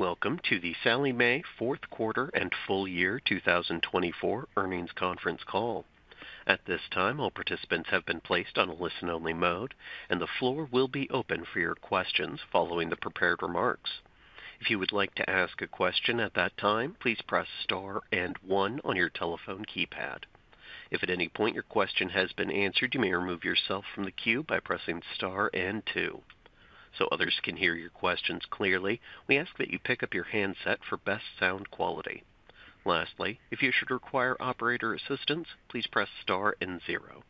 Welcome to the Sallie Mae Fourth Quarter and Full Year 2024 Earnings Conference Call. At this time, all participants have been placed on a listen-only mode, and the floor will be open for your questions following the prepared remarks. If you would like to ask a question at that time, please press Star and One on your telephone keypad. If at any point your question has been answered, you may remove yourself from the queue by pressing Star and Two. So others can hear your questions clearly, we ask that you pick up your handset for best sound quality. Lastly, if you should require operator assistance, please press Star and Zero.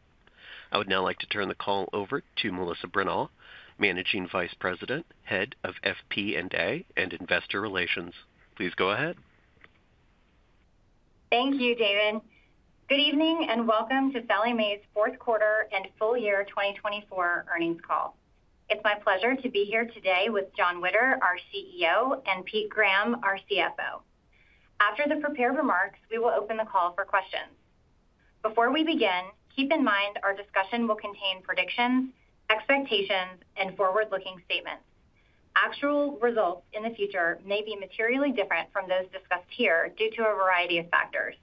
I would now like to turn the call over to Melissa Bronaugh, Managing Vice President, Head of FP&A and Investor Relations. Please go ahead. Thank you, David. Good evening and welcome to Sallie Mae's Fourth Quarter and Full Year 2024 Earnings Call. It's my pleasure to be here today with Jon Witter, our CEO, and Pete Graham, our CFO. After the prepared remarks, we will open the call for questions. Before we begin, keep in mind our discussion will contain predictions, expectations, and forward-looking statements. Actual results in the future may be materially different from those discussed here due to a variety of factors.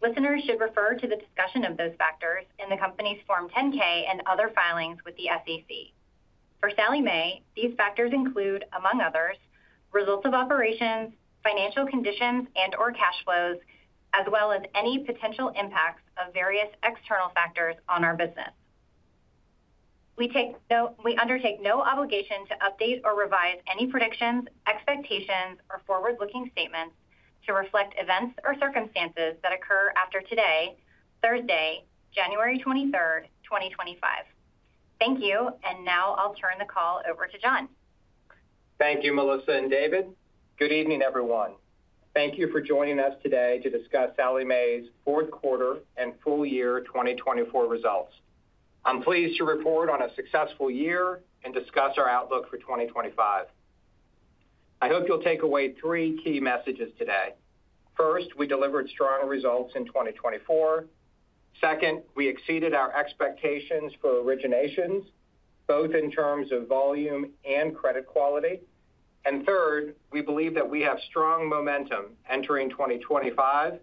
Listeners should refer to the discussion of those factors in the company's Form 10-K and other filings with the SEC. For Sallie Mae, these factors include, among others, results of operations, financial conditions and/or cash flows, as well as any potential impacts of various external factors on our business. We undertake no obligation to update or revise any predictions, expectations, or forward-looking statements to reflect events or circumstances that occur after today, Thursday, January 23rd, 2025. Thank you, and now I'll turn the call over to Jon. Thank you, Melissa and David. Good evening, everyone. Thank you for joining us today to discuss Sallie Mae's fourth quarter and full year 2024 results. I'm pleased to report on a successful year and discuss our outlook for 2025. I hope you'll take away three key messages today. First, we delivered strong results in 2024. Second, we exceeded our expectations for originations, both in terms of volume and credit quality. And third, we believe that we have strong momentum entering 2025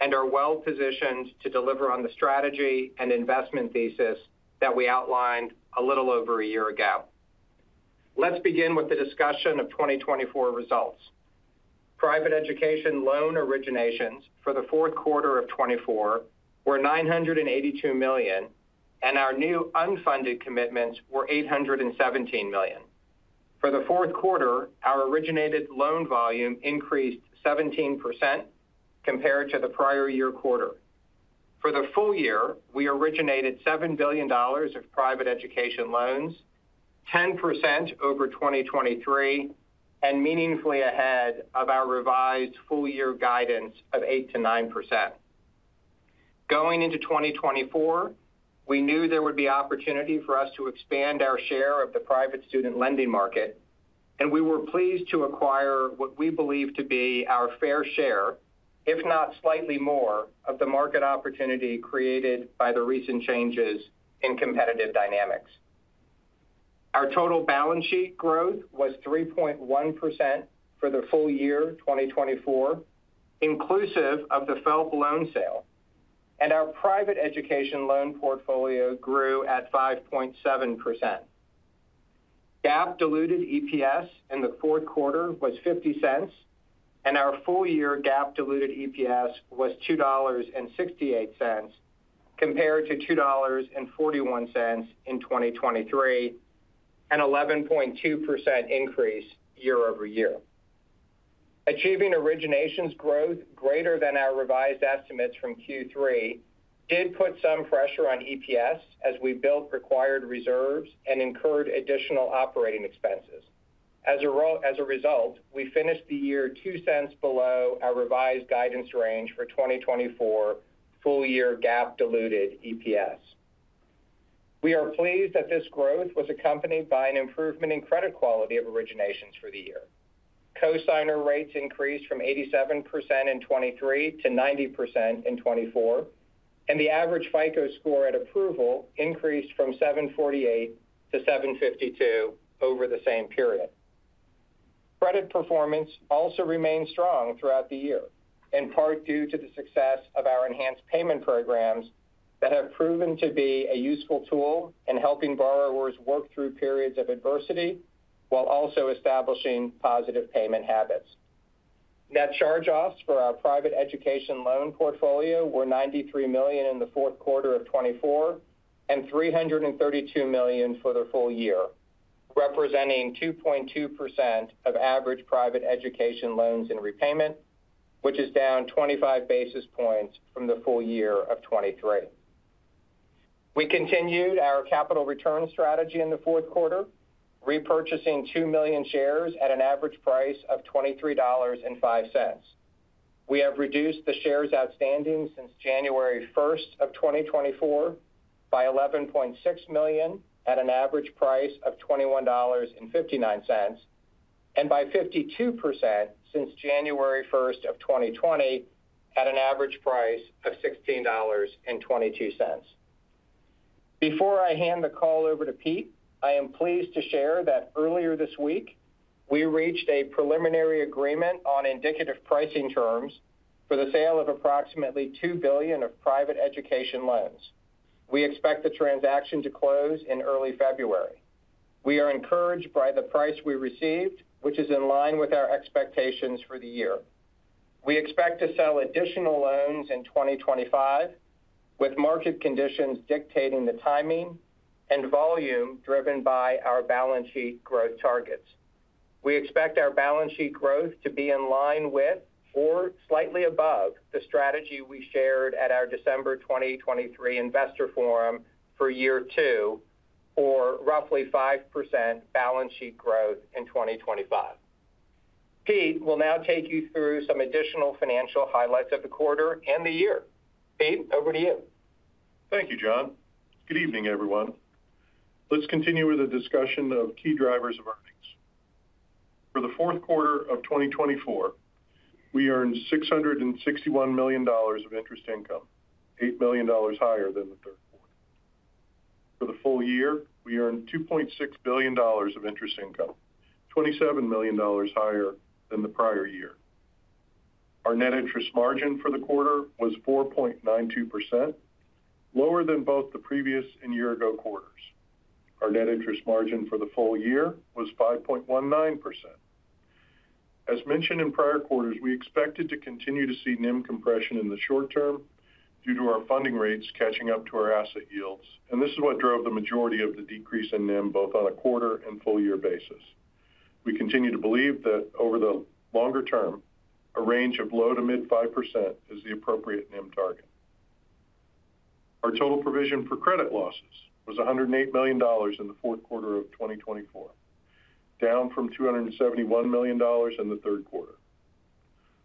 and are well-positioned to deliver on the strategy and investment thesis that we outlined a little over a year ago. Let's begin with the discussion of 2024 results. Private education loan originations for the fourth quarter of 2024 were $982 million, and our new unfunded commitments were $817 million. For the fourth quarter, our originated loan volume increased 17% compared to the prior year quarter. For the full year, we originated $7 billion of private education loans, 10% over 2023, and meaningfully ahead of our revised full-year guidance of 8%-9%. Going into 2024, we knew there would be opportunity for us to expand our share of the private student lending market, and we were pleased to acquire what we believe to be our fair share, if not slightly more, of the market opportunity created by the recent changes in competitive dynamics. Our total balance sheet growth was 3.1% for the full year 2024, inclusive of the FFEL loan sale, and our private education loan portfolio grew at 5.7%. GAAP-diluted EPS in the fourth quarter was $0.50, and our full-year GAAP-diluted EPS was $2.68 compared to $2.41 in 2023, an 11.2% increase year over year. Achieving originations growth greater than our revised estimates from Q3 did put some pressure on EPS as we built required reserves and incurred additional operating expenses. As a result, we finished the year $0.02 below our revised guidance range for 2024 full-year GAAP-diluted EPS. We are pleased that this growth was accompanied by an improvement in credit quality of originations for the year. Cosigner rates increased from 87% in 2023 to 90% in 2024, and the average FICO score at approval increased from 748 to 752 over the same period. Credit performance also remained strong throughout the year, in part due to the success of our enhanced payment programs that have proven to be a useful tool in helping borrowers work through periods of adversity while also establishing positive payment habits. Net charge-offs for our private education loan portfolio were $93 million in the fourth quarter of 2024 and $332 million for the full year, representing 2.2% of average private education loans in repayment, which is down 25 basis points from the full year of 2023. We continued our capital return strategy in the fourth quarter, repurchasing 2 million shares at an average price of $23.05. We have reduced the shares outstanding since January 1st of 2024 by $11.6 million at an average price of $21.59, and by 52% since January 1st of 2020 at an average price of $16.22. Before I hand the call over to Pete, I am pleased to share that earlier this week, we reached a preliminary agreement on indicative pricing terms for the sale of approximately $2 billion of private education loans. We expect the transaction to close in early February. We are encouraged by the price we received, which is in line with our expectations for the year. We expect to sell additional loans in 2025, with market conditions dictating the timing and volume driven by our balance sheet growth targets. We expect our balance sheet growth to be in line with or slightly above the strategy we shared at our December 2023 Investor Forum for Year Two, or roughly 5% balance sheet growth in 2025. Pete will now take you through some additional financial highlights of the quarter and the year. Pete, over to you. Thank you, Jon. Good evening, everyone. Let's continue with a discussion of key drivers of earnings. For the fourth quarter of 2024, we earned $661 million of interest income, $8 million higher than the third quarter. For the full year, we earned $2.6 billion of interest income, $27 million higher than the prior year. Our net interest margin for the quarter was 4.92%, lower than both the previous and year-ago quarters. Our net interest margin for the full year was 5.19%. As mentioned in prior quarters, we expected to continue to see NIM compression in the short term due to our funding rates catching up to our asset yields, and this is what drove the majority of the decrease in NIM both on a quarter and full-year basis. We continue to believe that over the longer term, a range of low to mid-5% is the appropriate NIM target. Our total provision for credit losses was $108 million in the fourth quarter of 2024, down from $271 million in the third quarter.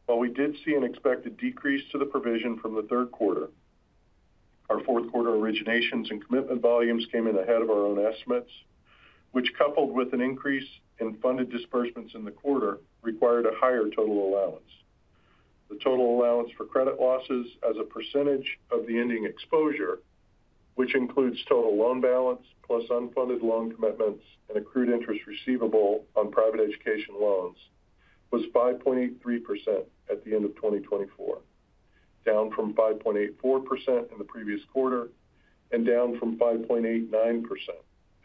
While we did see an expected decrease to the provision from the third quarter, our fourth quarter originations and commitment volumes came in ahead of our own estimates, which, coupled with an increase in funded disbursements in the quarter, required a higher total allowance. The total allowance for credit losses as a percentage of the ending exposure, which includes total loan balance plus unfunded loan commitments and accrued interest receivable on private education loans, was 5.83% at the end of 2024, down from 5.84% in the previous quarter and down from 5.89%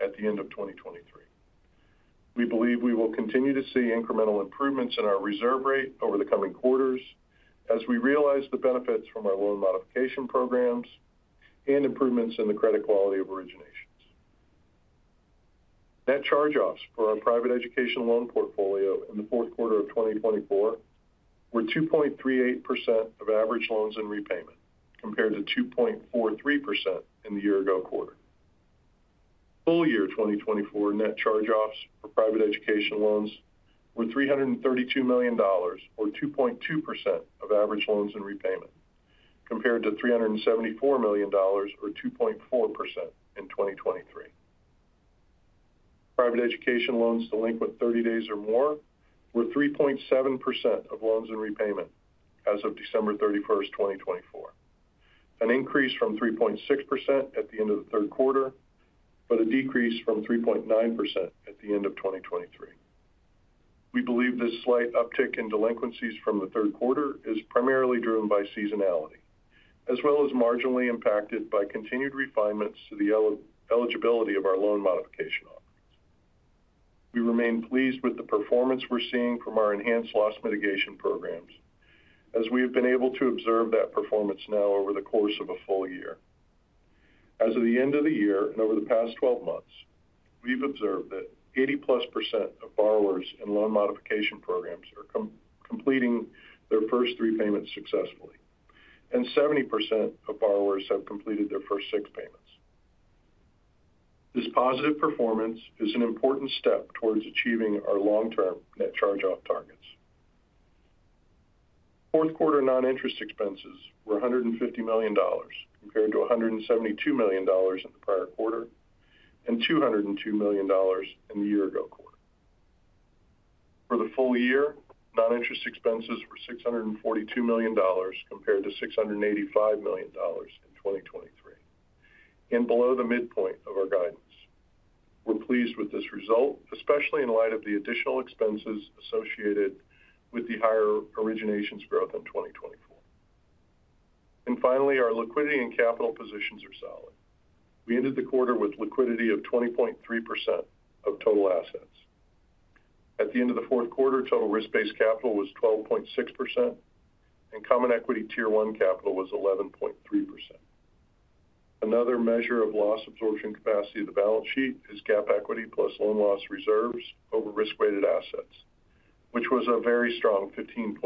at the end of 2023. We believe we will continue to see incremental improvements in our reserve rate over the coming quarters as we realize the benefits from our loan modification programs and improvements in the credit quality of originations. Net charge-offs for our private education loan portfolio in the fourth quarter of 2024 were 2.38% of average loans in repayment compared to 2.43% in the year-ago quarter. Full year 2024 net charge-offs for private education loans were $332 million, or 2.2% of average loans in repayment, compared to $374 million, or 2.4% in 2023. Private education loans delinquent 30 days or more were 3.7% of loans in repayment as of December 31st, 2024, an increase from 3.6% at the end of the third quarter, but a decrease from 3.9% at the end of 2023. We believe this slight uptick in delinquencies from the third quarter is primarily driven by seasonality, as well as marginally impacted by continued refinements to the eligibility of our loan modification offerings. We remain pleased with the performance we're seeing from our enhanced loss mitigation programs, as we have been able to observe that performance now over the course of a full year. As of the end of the year and over the past 12 months, we've observed that 80-plus% of borrowers in loan modification programs are completing their first three payments successfully, and 70% of borrowers have completed their first six payments. This positive performance is an important step towards achieving our long-term net charge-off targets. Fourth quarter non-interest expenses were $150 million compared to $172 million in the prior quarter and $202 million in the year-ago quarter. For the full year, non-interest expenses were $642 million compared to $685 million in 2023, and below the midpoint of our guidance. We're pleased with this result, especially in light of the additional expenses associated with the higher originations growth in 2024. And finally, our liquidity and capital positions are solid. We ended the quarter with liquidity of 20.3% of total assets. At the end of the fourth quarter, total Risk-Based Capital was 12.6%, and Common Equity Tier 1 capital was 11.3%. Another measure of loss absorption capacity of the balance sheet is tangible equity plus loan loss reserves over Risk-Weighted Assets, which was a very strong 15.6%.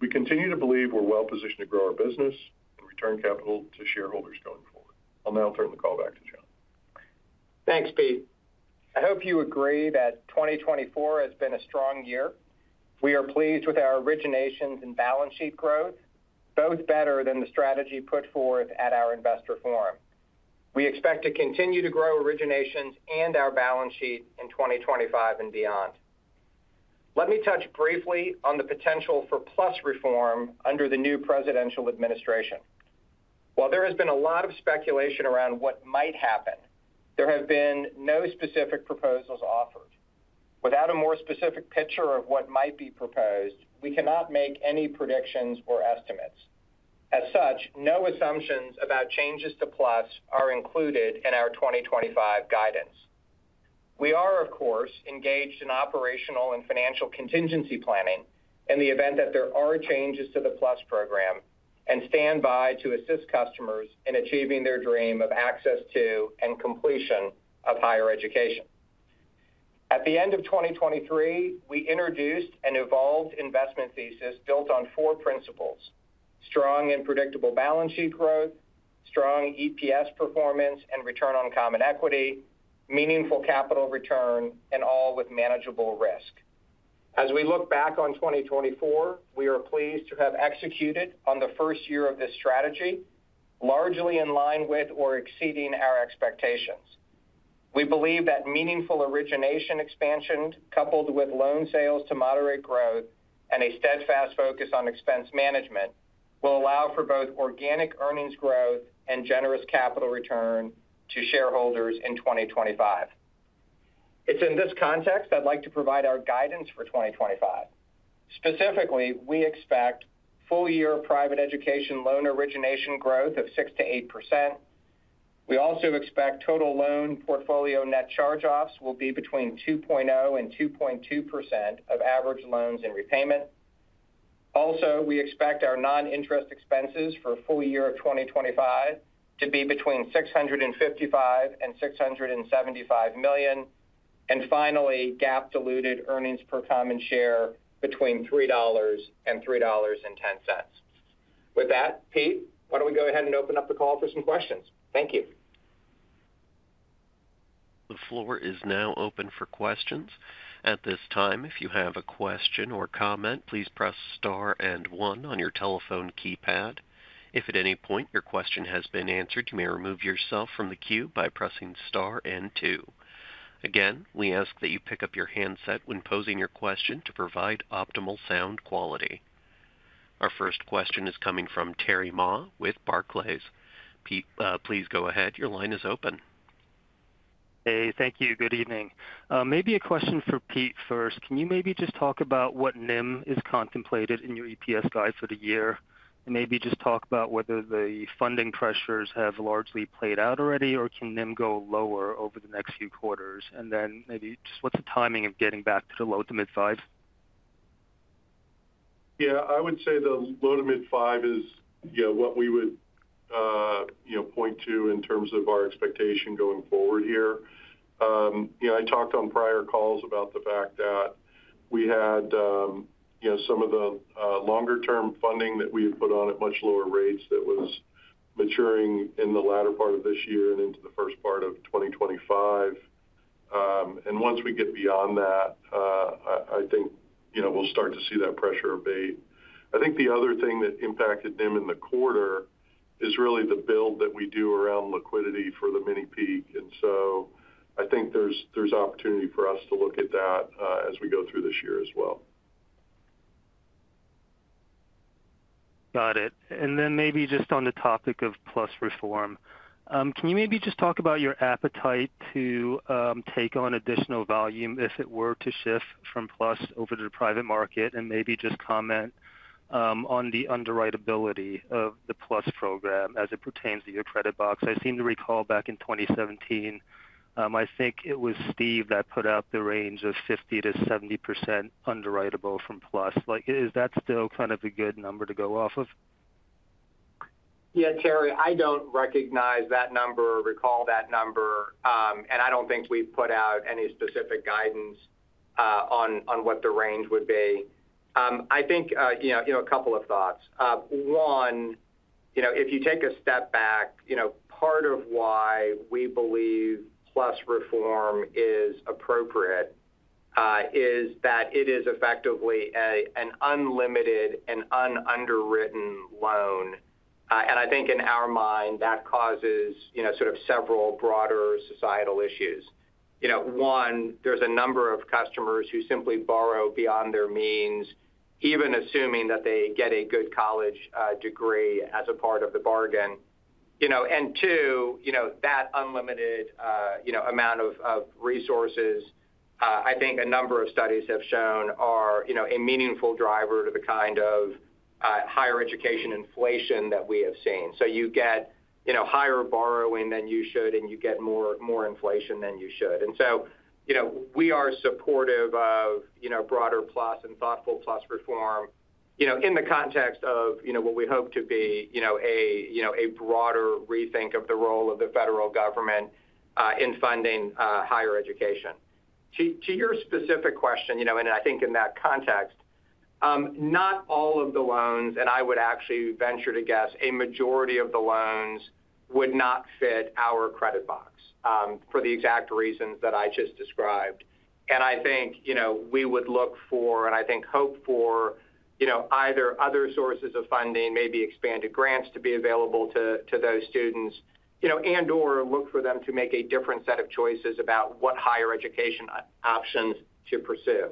We continue to believe we're well-positioned to grow our business and return capital to shareholders going forward. I'll now turn the call back to Jon. Thanks, Pete. I hope you agree that 2024 has been a strong year. We are pleased with our originations and balance sheet growth, both better than the strategy put forth at our Investor Forum. We expect to continue to grow originations and our balance sheet in 2025 and beyond. Let me touch briefly on the potential for PLUS reform under the new presidential administration. While there has been a lot of speculation around what might happen, there have been no specific proposals offered. Without a more specific picture of what might be proposed, we cannot make any predictions or estimates. As such, no assumptions about changes to PLUS are included in our 2025 guidance. We are, of course, engaged in operational and financial contingency planning in the event that there are changes to the PLUS program and stand by to assist customers in achieving their dream of access to and completion of higher education. At the end of 2023, we introduced an evolved investment thesis built on four principles: strong and predictable balance sheet growth, strong EPS performance and return on common equity, meaningful capital return, and all with manageable risk. As we look back on 2024, we are pleased to have executed on the first year of this strategy, largely in line with or exceeding our expectations. We believe that meaningful origination expansion, coupled with loan sales to moderate growth and a steadfast focus on expense management, will allow for both organic earnings growth and generous capital return to shareholders in 2025. It's in this context I'd like to provide our guidance for 2025. Specifically, we expect full-year private education loan origination growth of 6%-8%. We also expect total loan portfolio net charge-offs will be between 2.0%-2.2% of average loans in repayment. Also, we expect our non-interest expenses for full year 2025 to be between $655-$675 million, and finally, GAAP-diluted earnings per common share between $3-$3.10. With that, Pete, why don't we go ahead and open up the call for some questions? Thank you. The floor is now open for questions. At this time, if you have a question or comment, please press Star and One on your telephone keypad. If at any point your question has been answered, you may remove yourself from the queue by pressing Star and Two. Again, we ask that you pick up your handset when posing your question to provide optimal sound quality. Our first question is coming from Terry Ma with Barclays. Pete, please go ahead. Your line is open. Hey, thank you. Good evening. Maybe a question for Pete first. Can you maybe just talk about what NIM is contemplated in your EPS guide for the year? And maybe just talk about whether the funding pressures have largely played out already, or can NIM go lower over the next few quarters? And then maybe just what's the timing of getting back to the low to mid-five? Yeah, I would say the low to mid-five is what we would point to in terms of our expectation going forward here. I talked on prior calls about the fact that we had some of the longer-term funding that we had put on at much lower rates that was maturing in the latter part of this year and into the first part of 2025. And once we get beyond that, I think we'll start to see that pressure abate. I think the other thing that impacted NIM in the quarter is really the build that we do around liquidity for the mini-peak. And so I think there's opportunity for us to look at that as we go through this year as well. Got it. And then maybe just on the topic of plus reform, can you maybe just talk about your appetite to take on additional volume if it were to shift from plus over to the private market? And maybe just comment on the underwritability of the plus program as it pertains to your credit box. I seem to recall back in 2017, I think it was Steve that put out the range of 50%-70% underwritable from plus. Is that still kind of a good number to go off of? Yeah, Terry, I don't recognize that number or recall that number, and I don't think we've put out any specific guidance on what the range would be. I think a couple of thoughts. One, if you take a step back, part of why we believe plus reform is appropriate is that it is effectively an unlimited and ununderwritten loan. I think in our mind, that causes sort of several broader societal issues. One, there's a number of customers who simply borrow beyond their means, even assuming that they get a good college degree as a part of the bargain. Two, that unlimited amount of resources, I think a number of studies have shown, are a meaningful driver to the kind of higher education inflation that we have seen. You get higher borrowing than you should, and you get more inflation than you should. We are supportive of broader PLUS and thoughtful PLUS reform in the context of what we hope to be a broader rethink of the role of the federal government in funding higher education. To your specific question, and I think in that context, not all of the loans, and I would actually venture to guess a majority of the loans would not fit our credit box for the exact reasons that I just described. We would look for, and I think hope for either other sources of funding, maybe expanded grants to be available to those students, and/or look for them to make a different set of choices about what higher education options to pursue.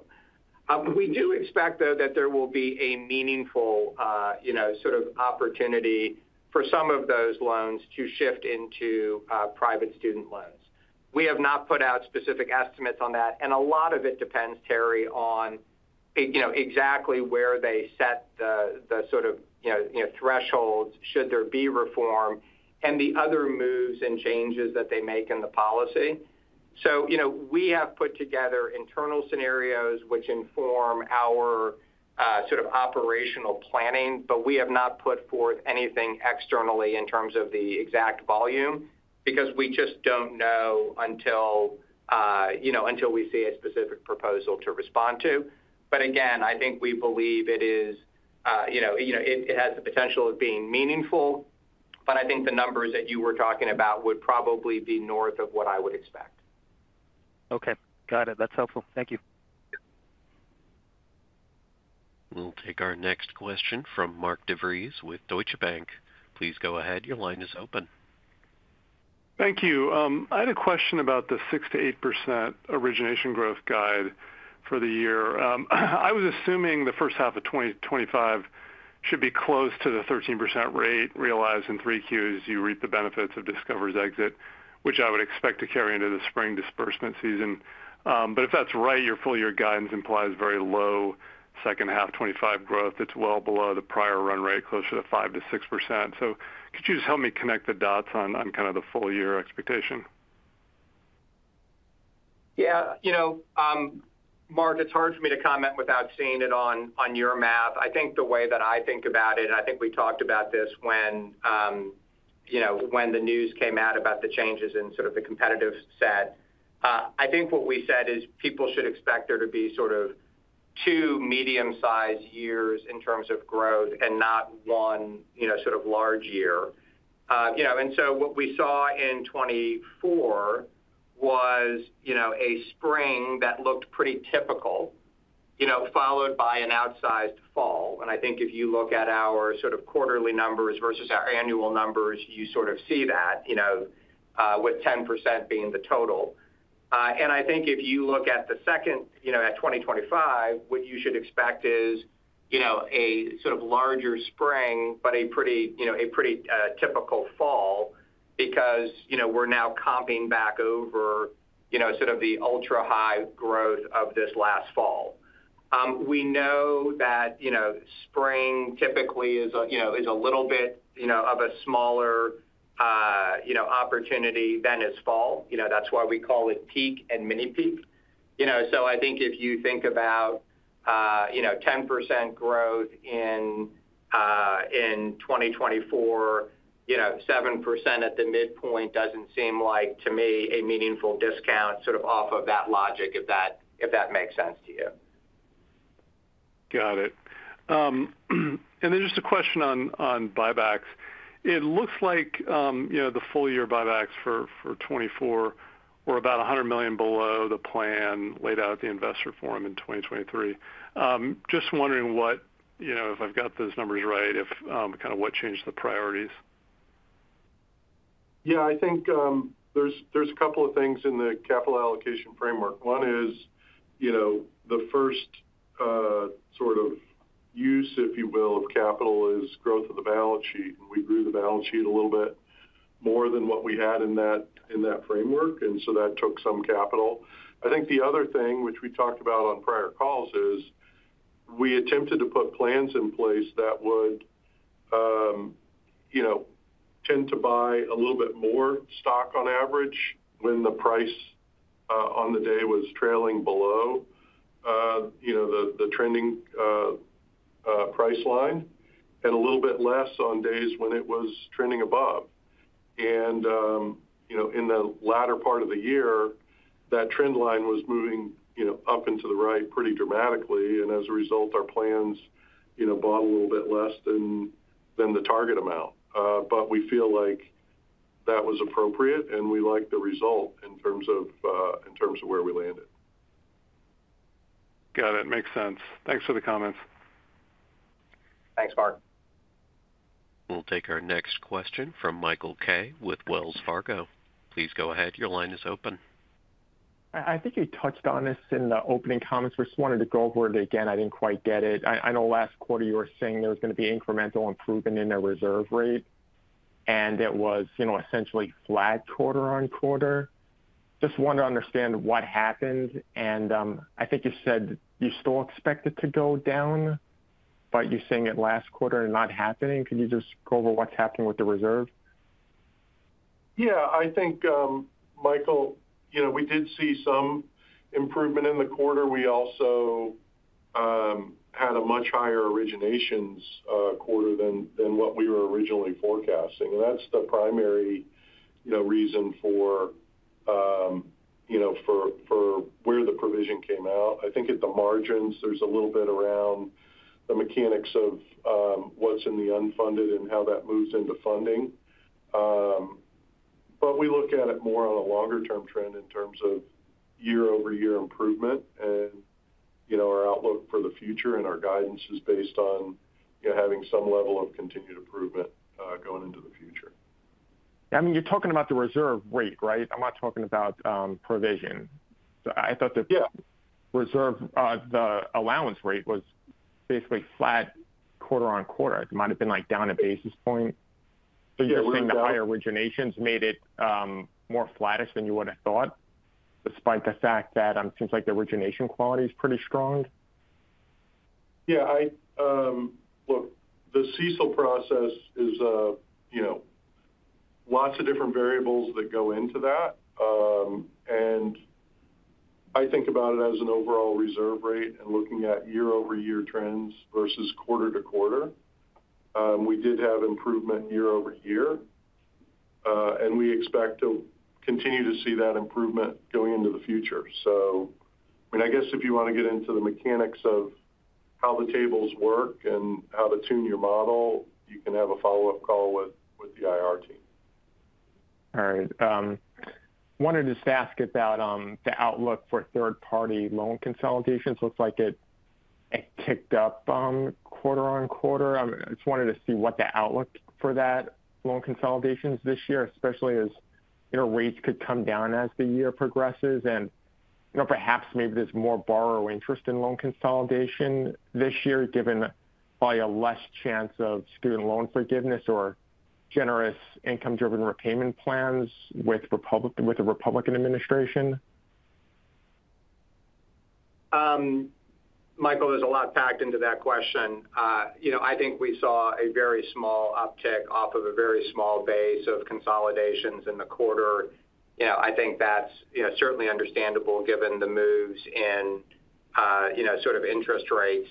We do expect, though, that there will be a meaningful sort of opportunity for some of those loans to shift into private student loans. We have not put out specific estimates on that, and a lot of it depends, Terry, on exactly where they set the sort of thresholds, should there be reform and the other moves and changes that they make in the policy. So we have put together internal scenarios which inform our sort of operational planning, but we have not put forth anything externally in terms of the exact volume because we just don't know until we see a specific proposal to respond to. But again, I think we believe it has the potential of being meaningful, but I think the numbers that you were talking about would probably be north of what I would expect. Okay. Got it. That's helpful. Thank you. We'll take our next question from Mark DeVries with Deutsche Bank. Please go ahead. Your line is open. Thank you. I had a question about the 6%-8% origination growth guide for the year. I was assuming the first half of 2025 should be close to the 13% rate realized in 3Q as you reap the benefits of Discover's exit, which I would expect to carry into the spring disbursement season, but if that's right, your full year guidance implies very low second half 25 growth. It's well below the prior run rate, closer to 5%-6%, so could you just help me connect the dots on kind of the full year expectation? Yeah. Mark, it's hard for me to comment without seeing it on your map. I think the way that I think about it, and I think we talked about this when the news came out about the changes in sort of the competitive set. I think what we said is people should expect there to be sort of two medium-sized years in terms of growth and not one sort of large year. And so what we saw in 2024 was a spring that looked pretty typical, followed by an outsized fall. And I think if you look at our sort of quarterly numbers versus our annual numbers, you sort of see that with 10% being the total. I think if you look at the second half of 2025, what you should expect is a sort of larger spring, but a pretty typical fall because we're now comping back over sort of the ultra-high growth of this last fall. We know that spring typically is a little bit of a smaller opportunity than is fall. That's why we call it peak and mini-peak. So I think if you think about 10% growth in 2024, 7% at the midpoint doesn't seem like to me a meaningful discount sort of off of that logic if that makes sense to you. Got it. And then just a question on buybacks. It looks like the full year buybacks for 2024 were about $100 million below the plan laid out at the Investor Forum in 2023. Just wondering if I've got those numbers right, kind of what changed the priorities? Yeah, I think there's a couple of things in the capital allocation framework. One is the first sort of use, if you will, of capital is growth of the balance sheet. And we grew the balance sheet a little bit more than what we had in that framework. And so that took some capital. I think the other thing, which we talked about on prior calls, is we attempted to put plans in place that would tend to buy a little bit more stock on average when the price on the day was trailing below the trending price line and a little bit less on days when it was trending above. And in the latter part of the year, that trend line was moving up and to the right pretty dramatically. And as a result, our plans bought a little bit less than the target amount. But we feel like that was appropriate, and we liked the result in terms of where we landed. Got it. Makes sense. Thanks for the comments. Thanks, Mark. We'll take our next question from Michael Kaye with Wells Fargo. Please go ahead. Your line is open. I think you touched on this in the opening comments. I just wanted to go over it again. I didn't quite get it. I know last quarter you were saying there was going to be incremental improvement in the reserve rate, and it was essentially flagged quarter on quarter. Just wanted to understand what happened, and I think you said you still expect it to go down, but you're saying it last quarter and not happening. Could you just go over what's happening with the reserve? Yeah. I think, Michael, we did see some improvement in the quarter. We also had a much higher originations quarter than what we were originally forecasting. And that's the primary reason for where the provision came out. I think at the margins, there's a little bit around the mechanics of what's in the unfunded and how that moves into funding. But we look at it more on a longer-term trend in terms of year-over-year improvement. And our outlook for the future and our guidance is based on having some level of continued improvement going into the future. I mean, you're talking about the reserve rate, right? I'm not talking about provision. I thought the reserve allowance rate was basically flat quarter on quarter. It might have been down a basis point. So you're saying the higher originations made it more flattish than you would have thought, despite the fact that it seems like the origination quality is pretty strong? Yeah. Look, the CECL process is lots of different variables that go into that. And I think about it as an overall reserve rate and looking at year-over-year trends versus quarter to quarter. We did have improvement year-over-year, and we expect to continue to see that improvement going into the future, so I mean, I guess if you want to get into the mechanics of how the tables work and how to tune your model, you can have a follow-up call with the IR team. All right. I wanted to just ask about the outlook for third-party loan consolidations. Looks like it ticked up quarter on quarter. I just wanted to see what the outlook for that loan consolidations this year, especially as rates could come down as the year progresses, and perhaps maybe there's more borrower interest in loan consolidation this year, given probably a less chance of student loan forgiveness or generous income-driven repayment plans with the Republican administration. Michael, there's a lot packed into that question. I think we saw a very small uptick off of a very small base of consolidations in the quarter. I think that's certainly understandable given the moves in sort of interest rates.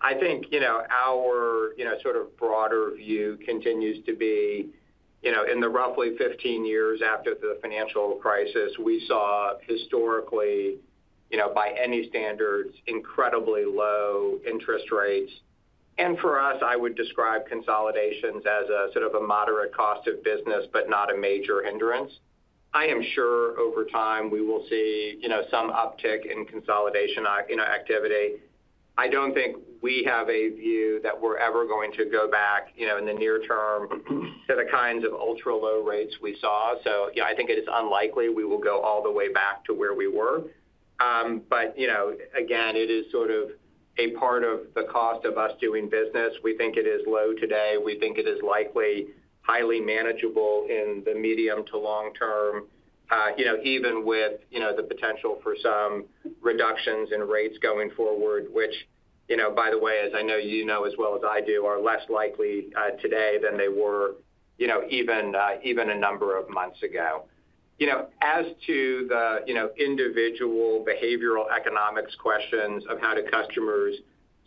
I think our sort of broader view continues to be in the roughly 15 years after the financial crisis, we saw historically, by any standards, incredibly low interest rates. And for us, I would describe consolidations as a sort of a moderate cost of business, but not a major hindrance. I am sure over time we will see some uptick in consolidation activity. I don't think we have a view that we're ever going to go back in the near term to the kinds of ultra-low rates we saw. So yeah, I think it is unlikely we will go all the way back to where we were. But again, it is sort of a part of the cost of us doing business. We think it is low today. We think it is likely highly manageable in the medium to long term, even with the potential for some reductions in rates going forward, which, by the way, as I know you know as well as I do, are less likely today than they were even a number of months ago. As to the individual behavioral economics questions of how do customers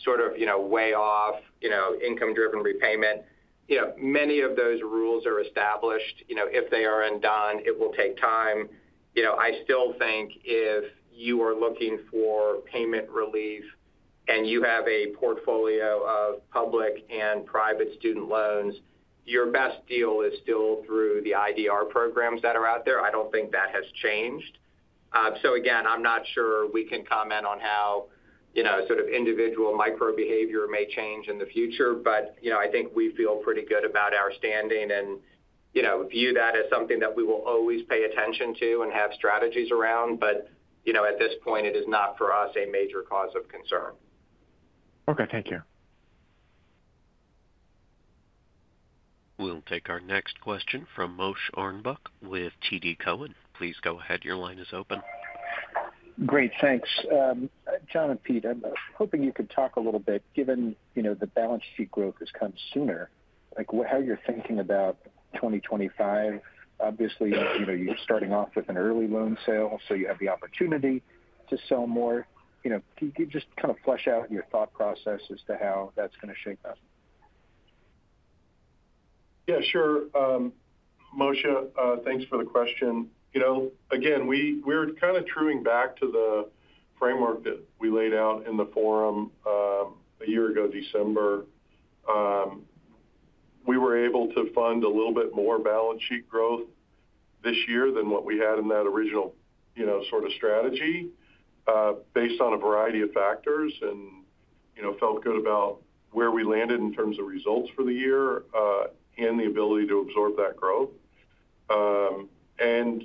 sort of weigh off income-driven repayment, many of those rules are established. If they are undone, it will take time. I still think if you are looking for payment relief and you have a portfolio of public and private student loans, your best deal is still through the IDR programs that are out there. I don't think that has changed. So again, I'm not sure we can comment on how sort of individual micro-behavior may change in the future, but I think we feel pretty good about our standing and view that as something that we will always pay attention to and have strategies around. But at this point, it is not for us a major cause of concern. Okay. Thank you. We'll take our next question from Moshe Orenbuch with TD Cowen. Please go ahead. Your line is open. Great. Thanks. Jon and Pete, I'm hoping you could talk a little bit. Given the balance sheet growth has come sooner, how are you thinking about 2025? Obviously, you're starting off with an early loan sale, so you have the opportunity to sell more. Can you just kind of flesh out your thought process as to how that's going to shape us? Yeah, sure. Moshe, thanks for the question. Again, we're kind of trueing back to the framework that we laid out in the forum a year ago, December. We were able to fund a little bit more balance sheet growth this year than what we had in that original sort of strategy based on a variety of factors and felt good about where we landed in terms of results for the year and the ability to absorb that growth. And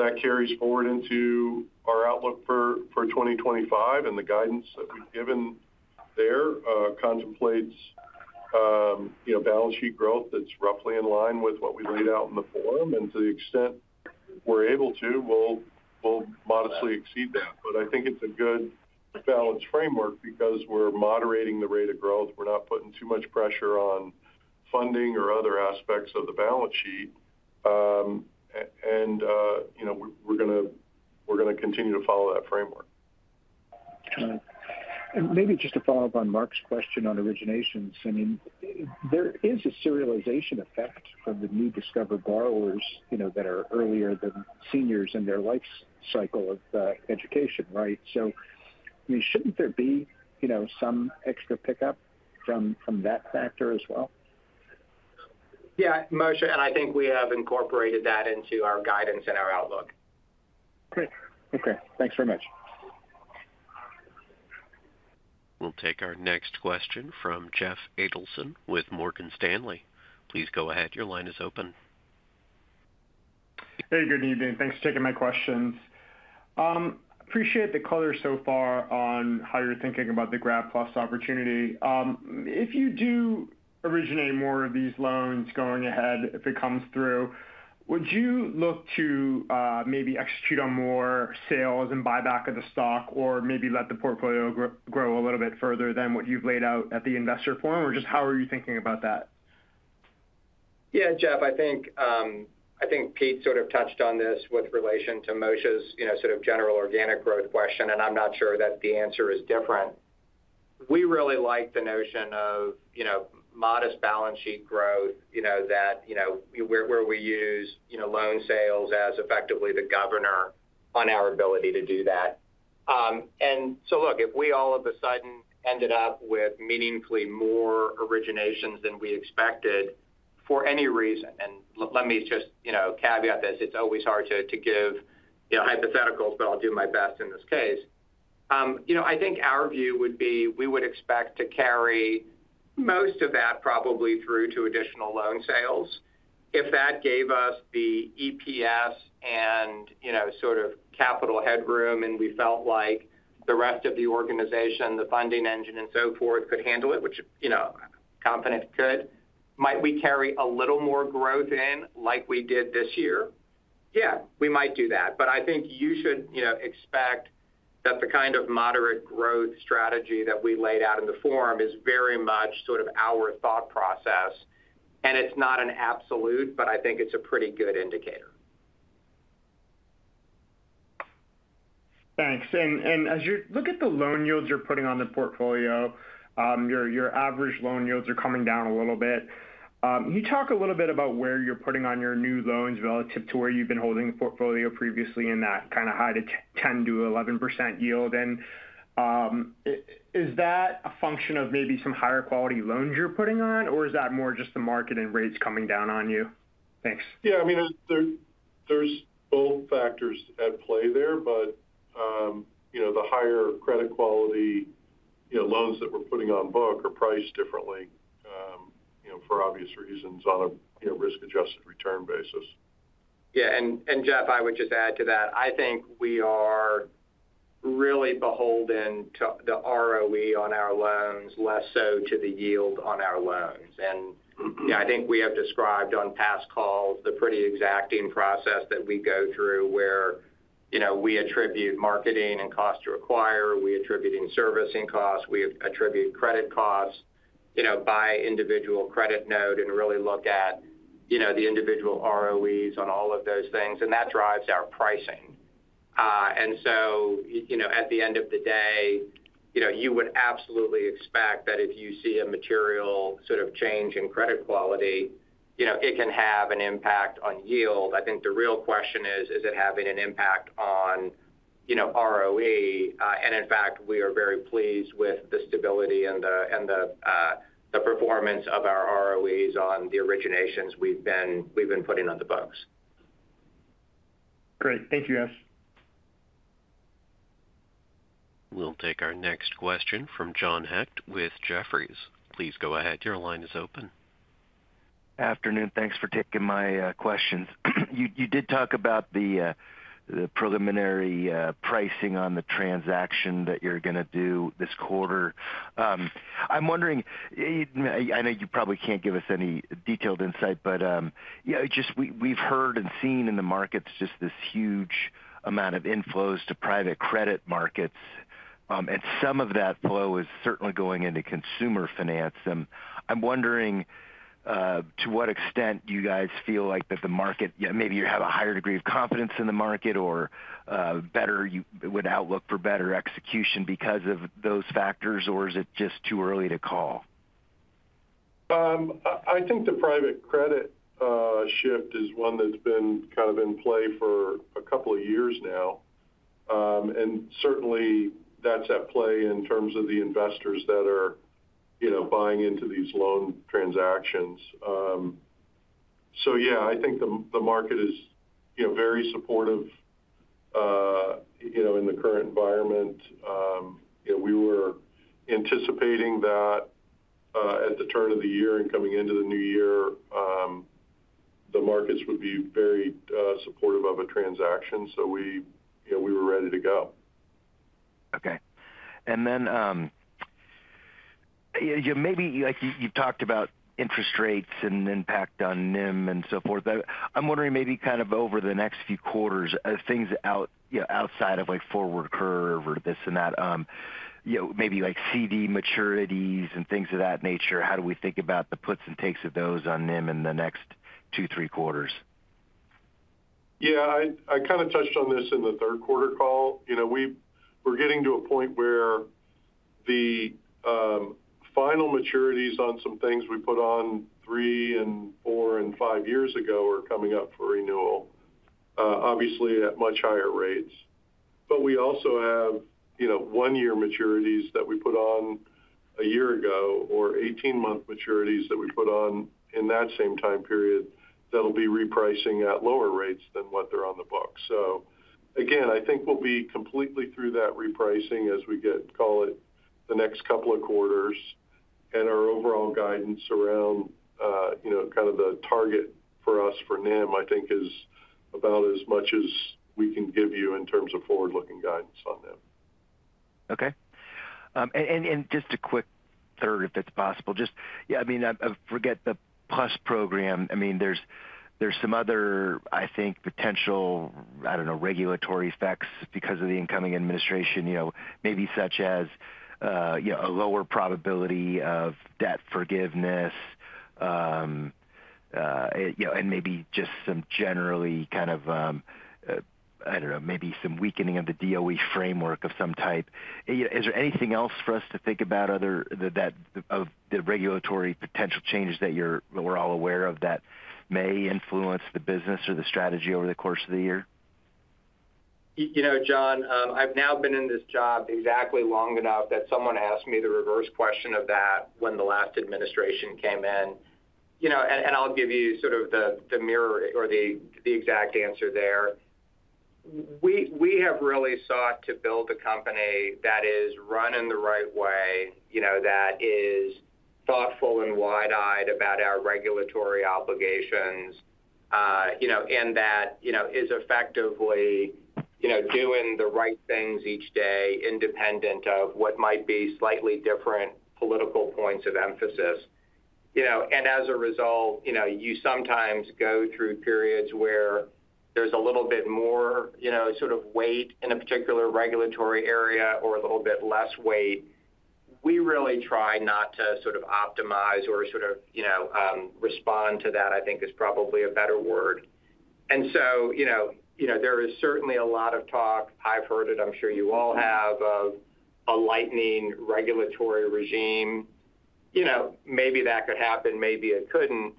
that carries forward into our outlook for 2025. And the guidance that we've given there contemplates balance sheet growth that's roughly in line with what we laid out in the forum. And to the extent we're able to, we'll modestly exceed that. But I think it's a good balance framework because we're moderating the rate of growth. We're not putting too much pressure on funding or other aspects of the balance sheet, and we're going to continue to follow that framework. Maybe just to follow up on Mark's question on originations, I mean, there is a seasonality effect from the newly discovered borrowers that are earlier than seniors in their life cycle of education, right? So shouldn't there be some extra pickup from that factor as well? Yeah, Moshe, and I think we have incorporated that into our guidance and our outlook. Great. Okay. Thanks very much. We'll take our next question from Jeff Adelson with Morgan Stanley. Please go ahead. Your line is open. Hey, good evening. Thanks for taking my questions. Appreciate the color so far on how you're thinking about the Grad PLUS opportunity. If you do originate more of these loans going ahead, if it comes through, would you look to maybe execute on more sales and buyback of the stock or maybe let the portfolio grow a little bit further than what you've laid out at the Investor Forum? Or just how are you thinking about that? Yeah, Jeff, I think Pete sort of touched on this with relation to Moshe's sort of general organic growth question, and I'm not sure that the answer is different. We really like the notion of modest balance sheet growth, where we use loan sales as effectively the governor on our ability to do that. And so look, if we all of a sudden ended up with meaningfully more originations than we expected for any reason - and let me just caveat this. It's always hard to give hypotheticals, but I'll do my best in this case - I think our view would be we would expect to carry most of that probably through to additional loan sales. If that gave us the EPS and sort of capital headroom and we felt like the rest of the organization, the funding engine, and so forth could handle it, which confident could, might we carry a little more growth in like we did this year? Yeah, we might do that. But I think you should expect that the kind of moderate growth strategy that we laid out in the forum is very much sort of our thought process. And it's not an absolute, but I think it's a pretty good indicator. Thanks. And as you look at the loan yields you're putting on the portfolio, your average loan yields are coming down a little bit. Can you talk a little bit about where you're putting on your new loans relative to where you've been holding the portfolio previously in that kind of high 10%-11% yield? And is that a function of maybe some higher quality loans you're putting on, or is that more just the market and rates coming down on you? Thanks. Yeah. I mean, there's both factors at play there, but the higher credit quality loans that we're putting on book are priced differently for obvious reasons on a risk-adjusted return basis. Yeah, and Jeff, I would just add to that. I think we are really beholden to the ROE on our loans, less so to the yield on our loans, and I think we have described on past calls the pretty exacting process that we go through where we attribute marketing and cost to acquire. We attribute servicing costs. We attribute credit costs by individual credit note and really look at the individual ROEs on all of those things, and that drives our pricing, and so at the end of the day, you would absolutely expect that if you see a material sort of change in credit quality, it can have an impact on yield. I think the real question is, is it having an impact on ROE? In fact, we are very pleased with the stability and the performance of our ROEs on the originations we've been putting on the books. Great. Thank you, guys. We'll take our next question from John Hecht with Jefferies. Please go ahead. Your line is open. Good afternoon. Thanks for taking my questions. You did talk about the preliminary pricing on the transaction that you're going to do this quarter. I'm wondering, I know you probably can't give us any detailed insight, but we've heard and seen in the markets just this huge amount of inflows to private credit markets. And some of that flow is certainly going into consumer finance. And I'm wondering to what extent you guys feel like that the market, maybe you have a higher degree of confidence in the market or would outlook for better execution because of those factors, or is it just too early to call? I think the private credit shift is one that's been kind of in play for a couple of years now, and certainly, that's at play in terms of the investors that are buying into these loan transactions, so yeah, I think the market is very supportive in the current environment. We were anticipating that at the turn of the year and coming into the new year, the markets would be very supportive of a transaction, so we were ready to go. Okay. And then maybe you've talked about interest rates and impact on NIM and so forth. I'm wondering maybe kind of over the next few quarters, things outside of forward curve or this and that, maybe CD maturities and things of that nature. How do we think about the puts and takes of those on NIM in the next two, three quarters? Yeah. I kind of touched on this in the third quarter call. We're getting to a point where the final maturities on some things we put on three and four and five years ago are coming up for renewal, obviously at much higher rates. But we also have one-year maturities that we put on a year ago or 18-month maturities that we put on in that same time period that'll be repricing at lower rates than what they're on the book. So again, I think we'll be completely through that repricing as we get, call it, the next couple of quarters. And our overall guidance around kind of the target for us for NIM, I think, is about as much as we can give you in terms of forward-looking guidance on NIM. Okay. And just a quick third, if it's possible. I mean, I forget the PLUS program. I mean, there's some other, I think, potential, I don't know, regulatory effects because of the incoming administration, maybe such as a lower probability of debt forgiveness and maybe just some generally kind of, I don't know, maybe some weakening of the DOE framework of some type. Is there anything else for us to think about of the regulatory potential changes that we're all aware of that may influence the business or the strategy over the course of the year? John, I've now been in this job exactly long enough that someone asked me the reverse question of that when the last administration came in. And I'll give you sort of the mirror or the exact answer there. We have really sought to build a company that is run in the right way, that is thoughtful and wide-eyed about our regulatory obligations, and that is effectively doing the right things each day independent of what might be slightly different political points of emphasis. And as a result, you sometimes go through periods where there's a little bit more sort of weight in a particular regulatory area or a little bit less weight. We really try not to sort of optimize or sort of respond to that, I think, is probably a better word. And so there is certainly a lot of talk. I've heard it. I'm sure you all have heard of a light-touch regulatory regime. Maybe that could happen. Maybe it couldn't.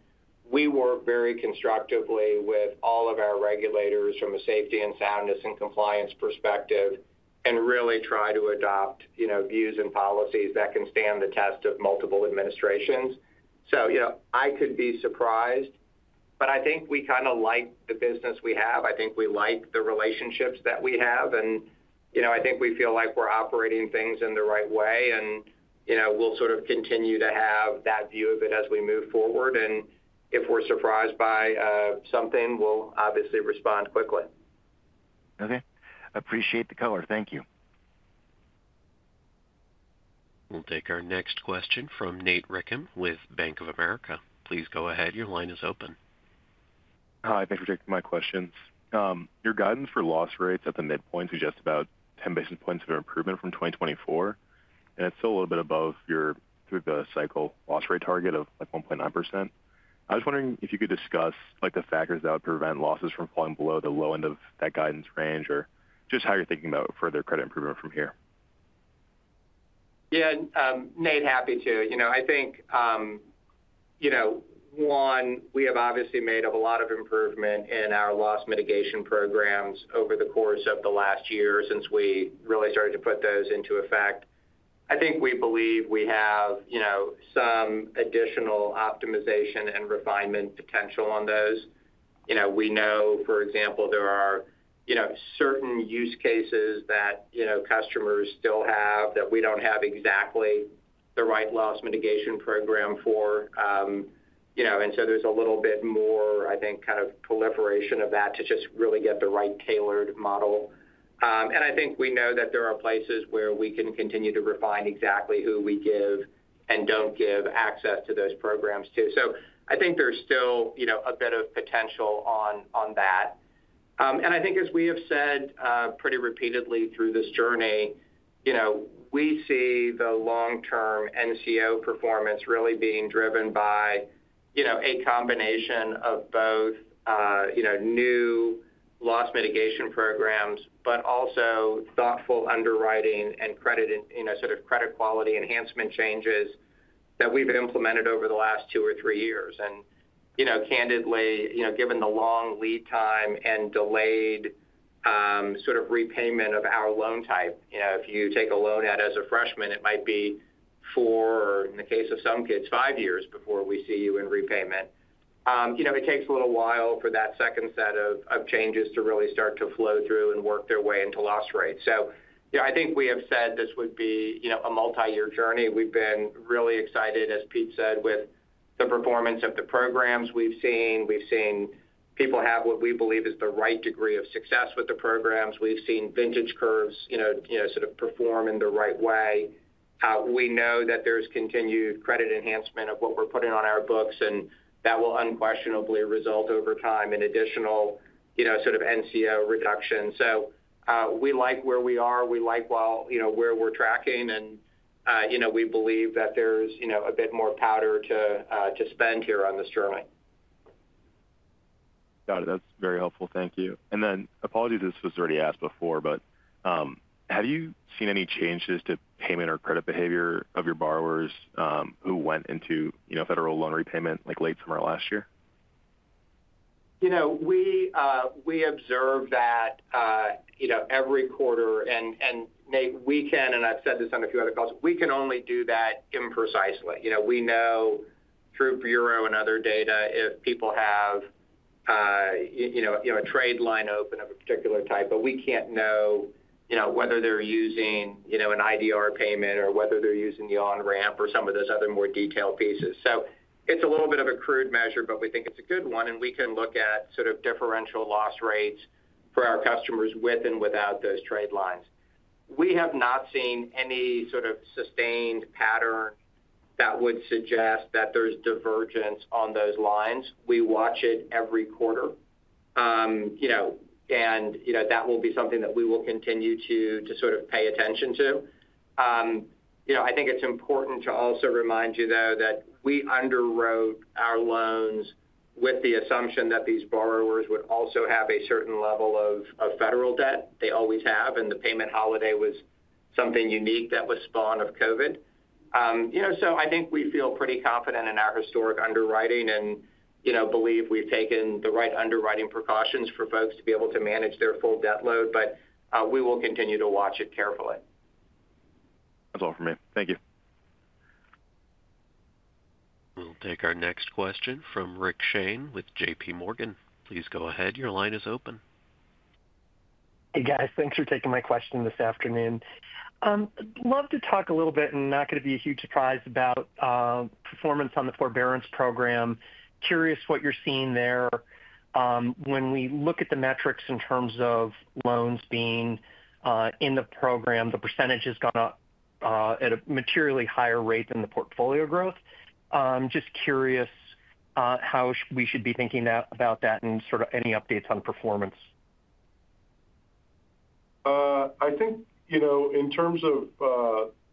We work very constructively with all of our regulators from a safety and soundness and compliance perspective and really try to adopt views and policies that can stand the test of multiple administrations. So I could be surprised, but I think we kind of like the business we have. I think we like the relationships that we have. And I think we feel like we're operating things in the right way. And we'll sort of continue to have that view of it as we move forward. And if we're surprised by something, we'll obviously respond quickly. Okay. Appreciate the color. Thank you. We'll take our next question from Nate Richam with Bank of America. Please go ahead. Your line is open. Hi. Thanks for taking my questions. Your guidance for loss rates at the midpoint suggests about 10 basis points of improvement from 2024. And it's still a little bit above your through-the-cycle loss rate target of 1.9%. I was wondering if you could discuss the factors that would prevent losses from falling below the low end of that guidance range or just how you're thinking about further credit improvement from here? Yeah. And Nate, happy to. I think, one, we have obviously made a lot of improvement in our loss mitigation programs over the course of the last year since we really started to put those into effect. I think we believe we have some additional optimization and refinement potential on those. We know, for example, there are certain use cases that customers still have that we don't have exactly the right loss mitigation program for. And so there's a little bit more, I think, kind of proliferation of that to just really get the right tailored model. And I think we know that there are places where we can continue to refine exactly who we give and don't give access to those programs too. So I think there's still a bit of potential on that. And I think, as we have said pretty repeatedly through this journey, we see the long-term NCO performance really being driven by a combination of both new loss mitigation programs, but also thoughtful underwriting and sort of credit quality enhancement changes that we've implemented over the last two or three years. And candidly, given the long lead time and delayed sort of repayment of our loan type, if you take a loan out as a freshman, it might be four, or in the case of some kids, five years before we see you in repayment. It takes a little while for that second set of changes to really start to flow through and work their way into loss rates. So I think we have said this would be a multi-year journey. We've been really excited, as Pete said, with the performance of the programs we've seen. We've seen people have what we believe is the right degree of success with the programs. We've seen vintage curves sort of perform in the right way. We know that there's continued credit enhancement of what we're putting on our books, and that will unquestionably result over time in additional sort of NCO reduction, so we like where we are. We like where we're tracking, and we believe that there's a bit more powder to spend here on this journey. Got it. That's very helpful. Thank you. And then apologies if this was already asked before, but have you seen any changes to payment or credit behavior of your borrowers who went into federal loan repayment late summer last year? We observe that every quarter, and we can, and I've said this on a few other calls, we can only do that imprecisely. We know through bureau and other data if people have a trade line open of a particular type, but we can't know whether they're using an IDR payment or whether they're using the on-ramp or some of those other more detailed pieces. So it's a little bit of a crude measure, but we think it's a good one, and we can look at sort of differential loss rates for our customers with and without those trade lines. We have not seen any sort of sustained pattern that would suggest that there's divergence on those lines. We watch it every quarter, and that will be something that we will continue to sort of pay attention to. I think it's important to also remind you, though, that we underwrote our loans with the assumption that these borrowers would also have a certain level of federal debt. They always have. And the payment holiday was something unique that was spawned of COVID. So I think we feel pretty confident in our historic underwriting and believe we've taken the right underwriting precautions for folks to be able to manage their full debt load. But we will continue to watch it carefully. That's all for me. Thank you. We'll take our next question from Rick Shane with JPMorgan. Please go ahead. Your line is open. Hey, guys. Thanks for taking my question this afternoon. I'd love to talk a little bit, and not going to be a huge surprise, about performance on the forbearance program. Curious what you're seeing there. When we look at the metrics in terms of loans being in the program, the percentage has gone up at a materially higher rate than the portfolio growth. Just curious how we should be thinking about that and sort of any updates on performance. I think in terms of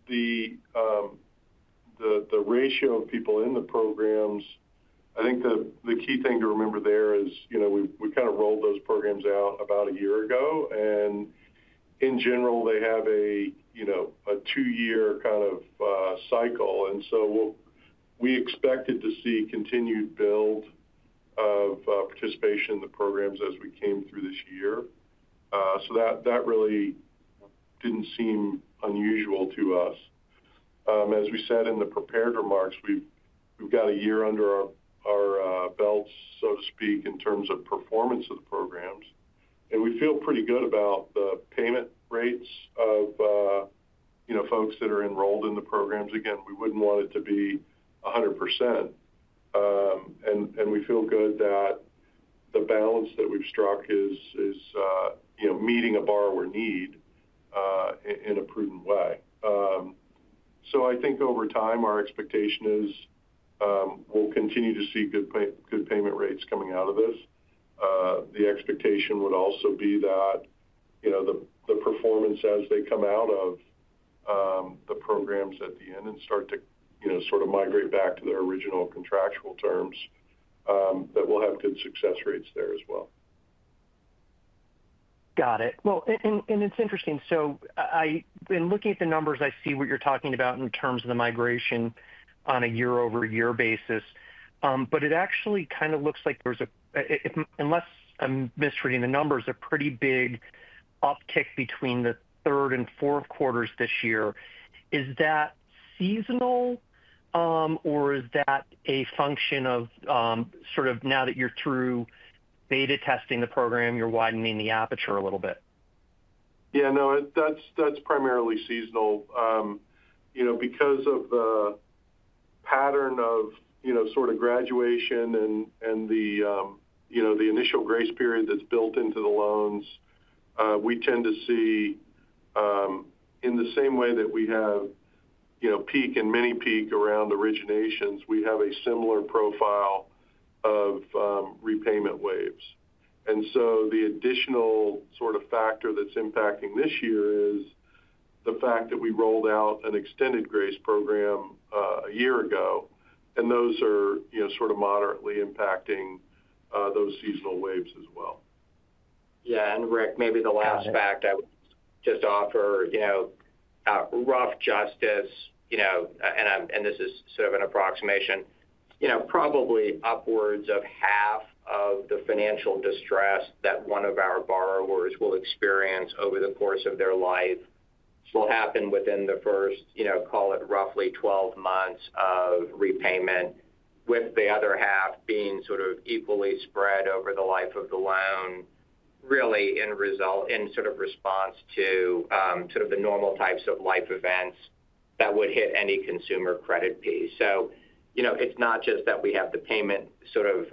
the ratio of people in the programs, I think the key thing to remember there is we kind of rolled those programs out about a year ago, and in general, they have a two-year kind of cycle, and so we expected to see continued build of participation in the programs as we came through this year, so that really didn't seem unusual to us. As we said in the prepared remarks, we've got a year under our belts, so to speak, in terms of performance of the programs, and we feel pretty good about the payment rates of folks that are enrolled in the programs. Again, we wouldn't want it to be 100%, and we feel good that the balance that we've struck is meeting a borrower need in a prudent way. So I think over time, our expectation is we'll continue to see good payment rates coming out of this. The expectation would also be that the performance as they come out of the programs at the end and start to sort of migrate back to their original contractual terms, that we'll have good success rates there as well. Got it. Well, and it's interesting. So in looking at the numbers, I see what you're talking about in terms of the migration on a year-over-year basis. But it actually kind of looks like there's a, unless I'm misreading the numbers, a pretty big uptick between the third and fourth quarters this year. Is that seasonal, or is that a function of sort of now that you're through beta testing the program, you're widening the aperture a little bit? Yeah. No, that's primarily seasonal. Because of the pattern of sort of graduation and the initial grace period that's built into the loans, we tend to see in the same way that we have peak and mini-peak around originations, we have a similar profile of repayment waves. And so the additional sort of factor that's impacting this year is the fact that we rolled out an extended grace program a year ago. And those are sort of moderately impacting those seasonal waves as well. Yeah. And Rick, maybe the last fact I would just offer rough justice, and this is sort of an approximation, probably upwards of half of the financial distress that one of our borrowers will experience over the course of their life will happen within the first, call it roughly 12 months of repayment, with the other half being sort of equally spread over the life of the loan, really in sort of response to sort of the normal types of life events that would hit any consumer credit piece. So it's not just that we have the payment sort of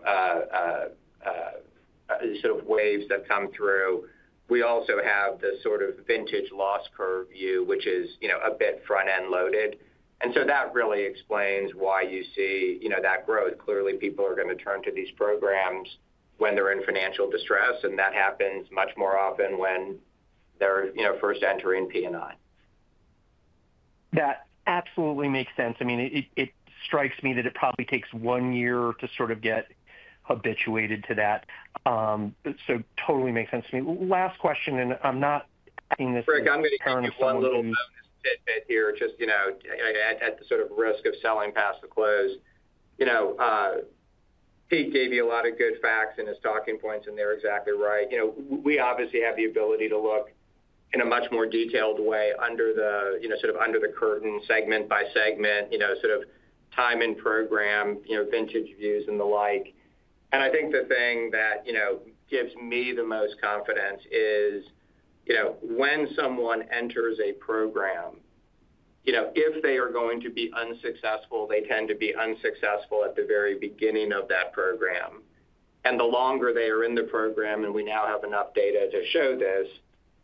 sort of waves that come through. We also have the sort of vintage loss curve view, which is a bit front-end loaded. And so that really explains why you see that growth. Clearly, people are going to turn to these programs when they're in financial distress. That happens much more often when they're first entering P&I. That absolutely makes sense. I mean, it strikes me that it probably takes one year to sort of get habituated to that. So totally makes sense to me. Last question, and I'm not asking this in terms of. Rick, I'm going to give one little bonus tidbit here, just at the sort of risk of selling past the close. Pete gave you a lot of good facts and his talking points, and they're exactly right. We obviously have the ability to look in a much more detailed way under the sort of curtain segment by segment, sort of time and program, vintage views, and the like. And I think the thing that gives me the most confidence is when someone enters a program, if they are going to be unsuccessful, they tend to be unsuccessful at the very beginning of that program. And the longer they are in the program, and we now have enough data to show this,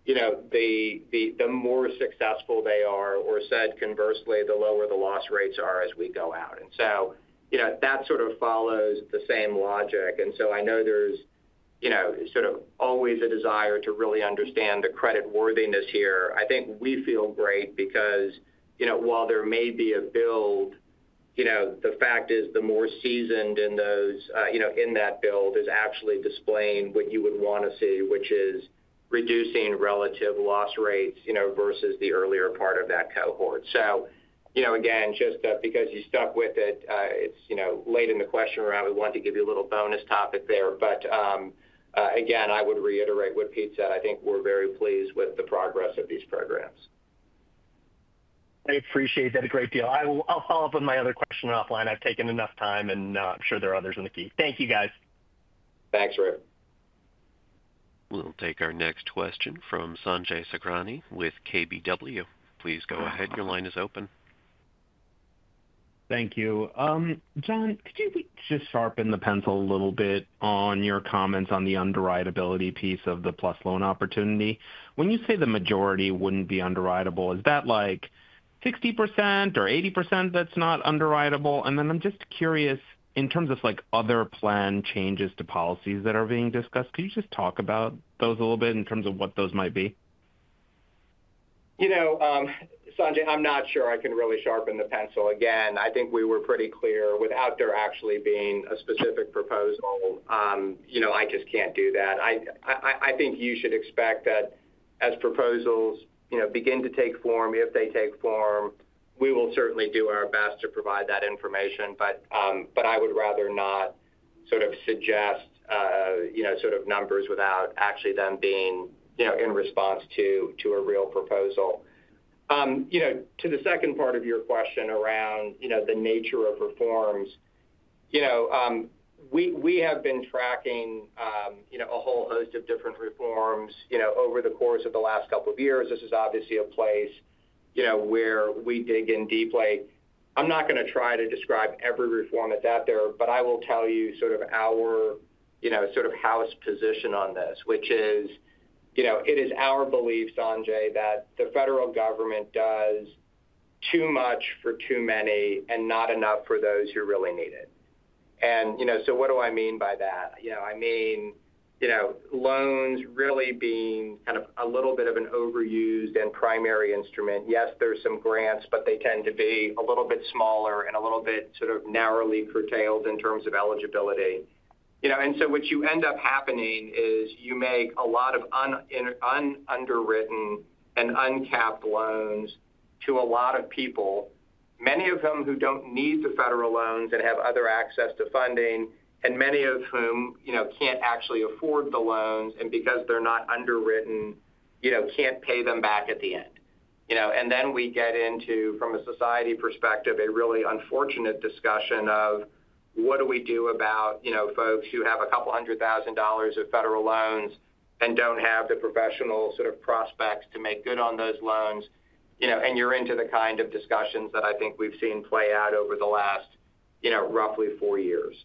the more successful they are, or said conversely, the lower the loss rates are as we go out. And so that sort of follows the same logic. And so I know there's sort of always a desire to really understand the credit worthiness here. I think we feel great because while there may be a build, the fact is the more seasoned in that build is actually displaying what you would want to see, which is reducing relative loss rates versus the earlier part of that cohort. So again, just because you stuck with it, it's late in the question round. We wanted to give you a little bonus topic there. But again, I would reiterate what Pete said. I think we're very pleased with the progress of these programs. I appreciate that a great deal. I'll follow up on my other question offline. I've taken enough time, and I'm sure there are others in the queue. Thank you, guys. Thanks, Rick. We'll take our next question from Sanjay Sakhrani with KBW. Please go ahead. Your line is open. Thank you. Jon, could you just sharpen the pencil a little bit on your comments on the underwritability piece of the PLUS Loan opportunity? When you say the majority wouldn't be underwritable, is that like 60% or 80% that's not underwritable? And then I'm just curious in terms of other plan changes to policies that are being discussed. Could you just talk about those a little bit in terms of what those might be? Sanjay, I'm not sure I can really sharpen the pencil. Again, I think we were pretty clear without there actually being a specific proposal. I just can't do that. I think you should expect that as proposals begin to take form, if they take form, we will certainly do our best to provide that information. But I would rather not sort of suggest sort of numbers without actually them being in response to a real proposal. To the second part of your question around the nature of reforms, we have been tracking a whole host of different reforms over the course of the last couple of years. This is obviously a place where we dig in deeply. I'm not going to try to describe every reform that's out there, but I will tell you sort of our sort of house position on this, which is it is our belief, Sanjay, that the federal government does too much for too many and not enough for those who really need it. And so what do I mean by that? I mean loans really being kind of a little bit of an overused and primary instrument. Yes, there are some grants, but they tend to be a little bit smaller and a little bit sort of narrowly curtailed in terms of eligibility. And so what you end up happening is you make a lot of ununderwritten and uncapped loans to a lot of people, many of whom who don't need the federal loans and have other access to funding, and many of whom can't actually afford the loans and because they're not underwritten can't pay them back at the end. And then we get into, from a society perspective, a really unfortunate discussion of what do we do about folks who have $200,000 of federal loans and don't have the professional sort of prospects to make good on those loans. And you're into the kind of discussions that I think we've seen play out over the last roughly four years.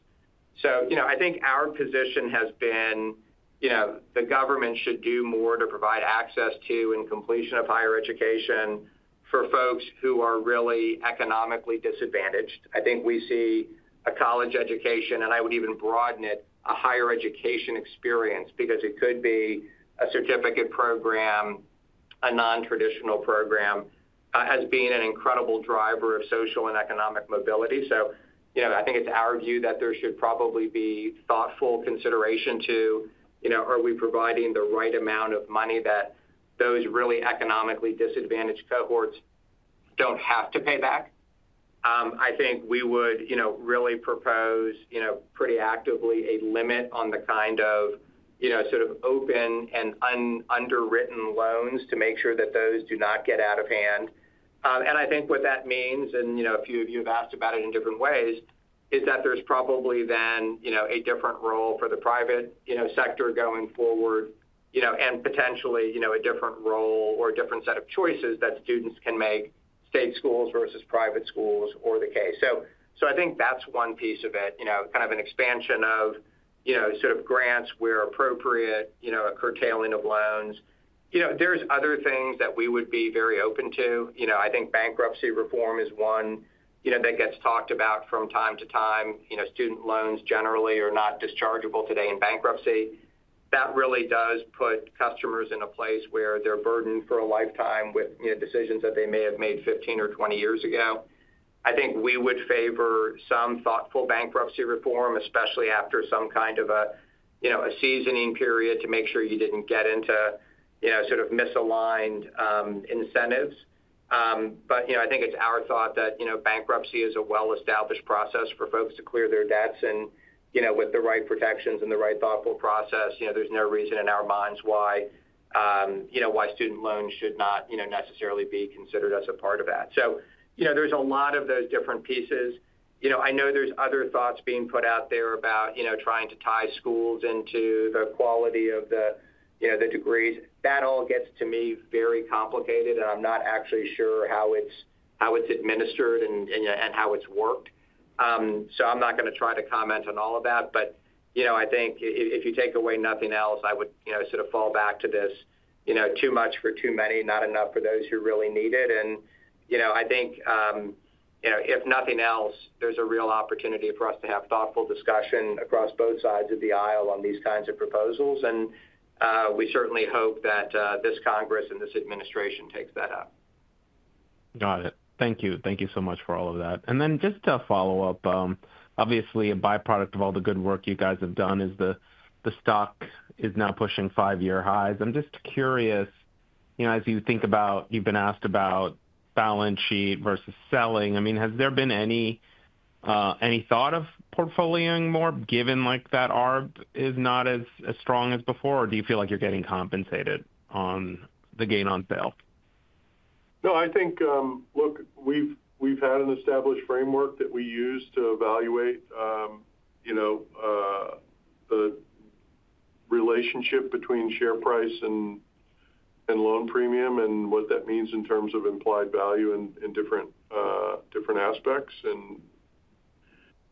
So I think our position has been the government should do more to provide access to and completion of higher education for folks who are really economically disadvantaged. I think we see a college education, and I would even broaden it, a higher education experience because it could be a certificate program, a non-traditional program, as being an incredible driver of social and economic mobility. So I think it's our view that there should probably be thoughtful consideration to are we providing the right amount of money that those really economically disadvantaged cohorts don't have to pay back? I think we would really propose pretty actively a limit on the kind of sort of open and underwritten loans to make sure that those do not get out of hand. And I think what that means, and a few of you have asked about it in different ways, is that there's probably then a different role for the private sector going forward and potentially a different role or a different set of choices that students can make state schools versus private schools or the case. So I think that's one piece of it, kind of an expansion of sort of grants where appropriate, a curtailing of loans. There's other things that we would be very open to. I think bankruptcy reform is one that gets talked about from time to time. Student loans generally are not dischargeable today in bankruptcy. That really does put customers in a place where they're burdened for a lifetime with decisions that they may have made 15 or 20 years ago. I think we would favor some thoughtful bankruptcy reform, especially after some kind of a seasoning period to make sure you didn't get into sort of misaligned incentives. But I think it's our thought that bankruptcy is a well-established process for folks to clear their debts and with the right protections and the right thoughtful process, there's no reason in our minds why student loans should not necessarily be considered as a part of that. So there's a lot of those different pieces. I know there's other thoughts being put out there about trying to tie schools into the quality of the degrees. That all gets to me very complicated, and I'm not actually sure how it's administered and how it's worked. So I'm not going to try to comment on all of that. But I think if you take away nothing else, I would sort of fall back to this too much for too many, not enough for those who really need it. And I think if nothing else, there's a real opportunity for us to have thoughtful discussion across both sides of the aisle on these kinds of proposals. And we certainly hope that this Congress and this administration takes that up. Got it. Thank you. Thank you so much for all of that. And then just to follow up, obviously, a byproduct of all the good work you guys have done is the stock is now pushing five-year highs. I'm just curious, as you think about you've been asked about balance sheet versus selling, I mean, has there been any thought of portfolioing more given that arb is not as strong as before? Or do you feel like you're getting compensated on the gain on sale? No, I think, look, we've had an established framework that we use to evaluate the relationship between share price and loan premium and what that means in terms of implied value in different aspects, and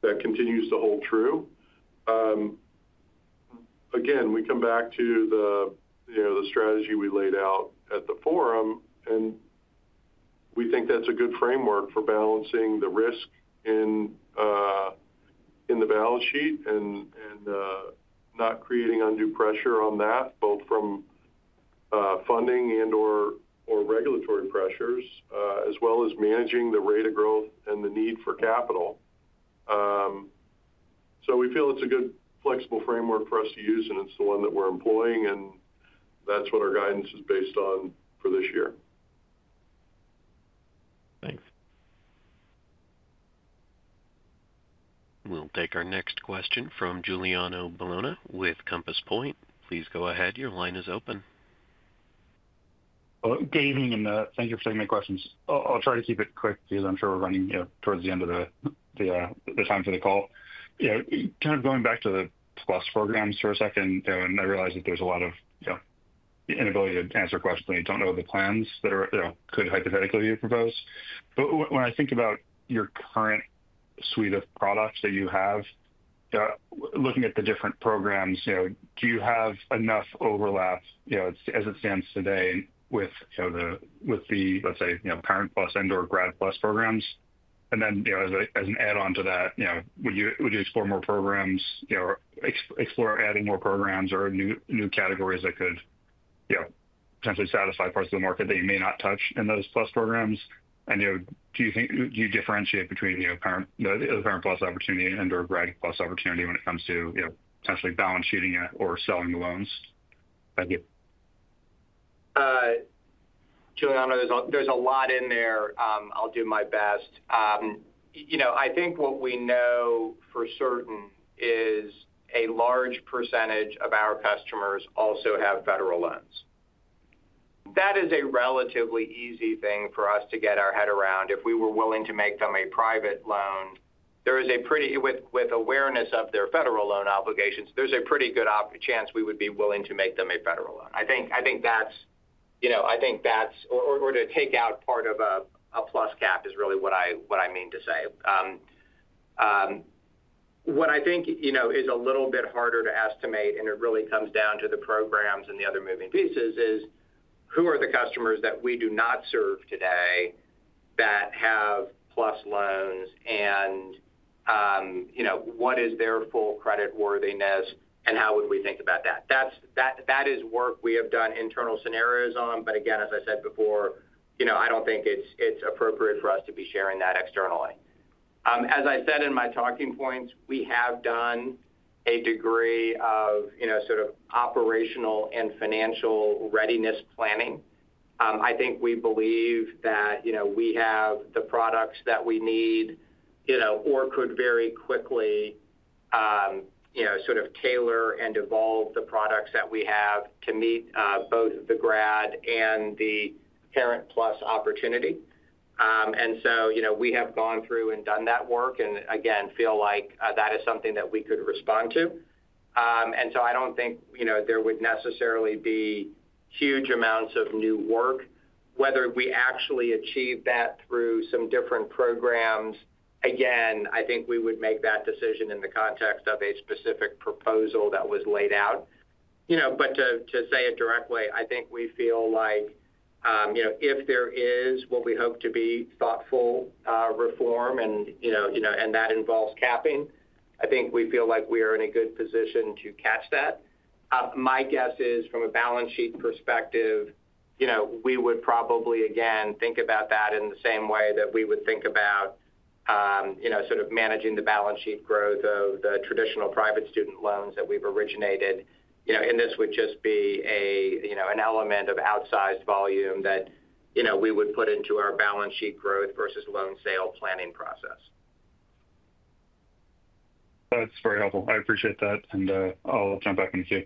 that continues to hold true. Again, we come back to the strategy we laid out at the forum, and we think that's a good framework for balancing the risk in the balance sheet and not creating undue pressure on that, both from funding and/or regulatory pressures, as well as managing the rate of growth and the need for capital, so we feel it's a good flexible framework for us to use, and it's the one that we're employing, and that's what our guidance is based on for this year. Thanks. We'll take our next question from Giuliano Bologna with Compass Point. Please go ahead. Your line is open. Hey, evening and thank you for taking my questions. I'll try to keep it quick because I'm sure we're running towards the end of the time for the call. Kind of going back to the PLUS programs for a second, and I realize that there's a lot of inability to answer questions when you don't know the plans that could hypothetically be proposed. But when I think about your current suite of products that you have, looking at the different programs, do you have enough overlap as it stands today with the, let's say, current PLUS and/or Grad PLUS programs? And then as an add-on to that, would you explore more programs, explore adding more programs or new categories that could potentially satisfy parts of the market that you may not touch in those PLUS programs? Do you differentiate between the current PLUS opportunity and/or Grad PLUS opportunity when it comes to potentially balance-sheeting or selling the loans? Thank you. Giuliano, there's a lot in there. I'll do my best. I think what we know for certain is a large percentage of our customers also have federal loans. That is a relatively easy thing for us to get our head around. If we were willing to make them a private loan, there is a pretty good, with awareness of their federal loan obligations, there's a pretty good chance we would be willing to make them a federal loan. I think that's—I think that's—or to take out part of a PLUS loan is really what I mean to say. What I think is a little bit harder to estimate, and it really comes down to the programs and the other moving pieces, is who are the customers that we do not serve today that have PLUS loans? And what is their full creditworthiness? And how would we think about that? That is work we have done internal scenarios on, but again, as I said before, I don't think it's appropriate for us to be sharing that externally. As I said in my talking points, we have done a degree of sort of operational and financial readiness planning. I think we believe that we have the products that we need or could very quickly sort of tailor and evolve the products that we have to meet both the Grad PLUS and the Parent PLUS opportunity, and so we have gone through and done that work and, again, feel like that is something that we could respond to, and so I don't think there would necessarily be huge amounts of new work. Whether we actually achieve that through some different programs, again, I think we would make that decision in the context of a specific proposal that was laid out. But to say it directly, I think we feel like if there is what we hope to be thoughtful reform, and that involves capping, I think we feel like we are in a good position to catch that. My guess is, from a balance sheet perspective, we would probably, again, think about that in the same way that we would think about sort of managing the balance sheet growth of the traditional private student loans that we've originated. And this would just be an element of outsized volume that we would put into our balance sheet growth versus loan sale planning process. That's very helpful. I appreciate that, and I'll jump back in with you.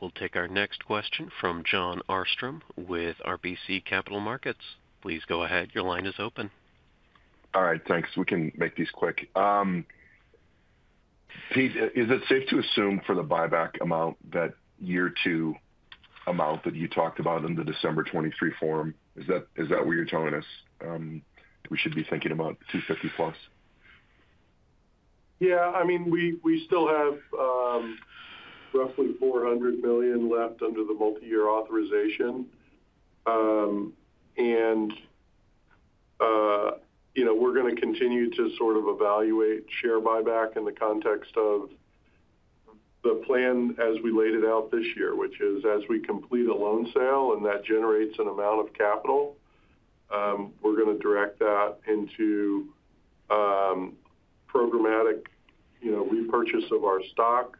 We'll take our next question from Jon Arfstrom with RBC Capital Markets. Please go ahead. Your line is open. All right. Thanks. We can make these quick. Pete, is it safe to assume for the buyback amount that year-two amount that you talked about in the December 2023 forum, is that what you're telling us we should be thinking about 250-plus? Yeah. I mean, we still have roughly $400 million left under the multi-year authorization. And we're going to continue to sort of evaluate share buyback in the context of the plan as we laid it out this year, which is as we complete a loan sale and that generates an amount of capital, we're going to direct that into programmatic repurchase of our stock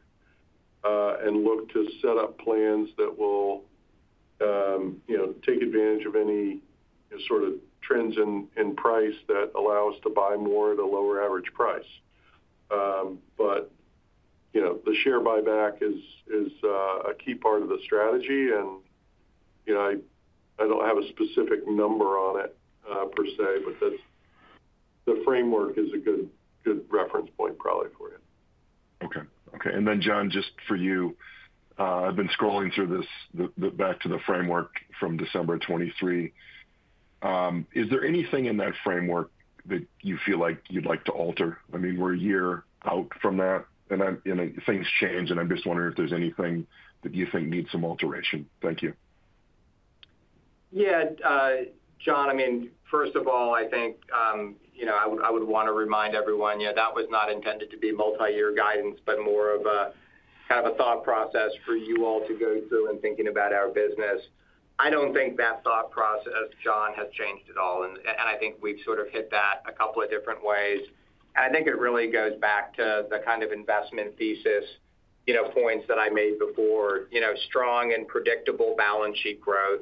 and look to set up plans that will take advantage of any sort of trends in price that allow us to buy more at a lower average price. But the share buyback is a key part of the strategy. And I don't have a specific number on it per se, but the framework is a good reference point probably for you. Okay. Okay. And then, Jon, just for you, I've been scrolling through this back to the framework from December 2023. Is there anything in that framework that you feel like you'd like to alter? I mean, we're a year out from that, and things change, and I'm just wondering if there's anything that you think needs some alteration. Thank you. Yeah. Jon, I mean, first of all, I think I would want to remind everyone, yeah, that was not intended to be multi-year guidance, but more of a kind of a thought process for you all to go through in thinking about our business. I don't think that thought process, Jon, has changed at all. And I think we've sort of hit that a couple of different ways. And I think it really goes back to the kind of investment thesis points that I made before, strong and predictable balance sheet growth.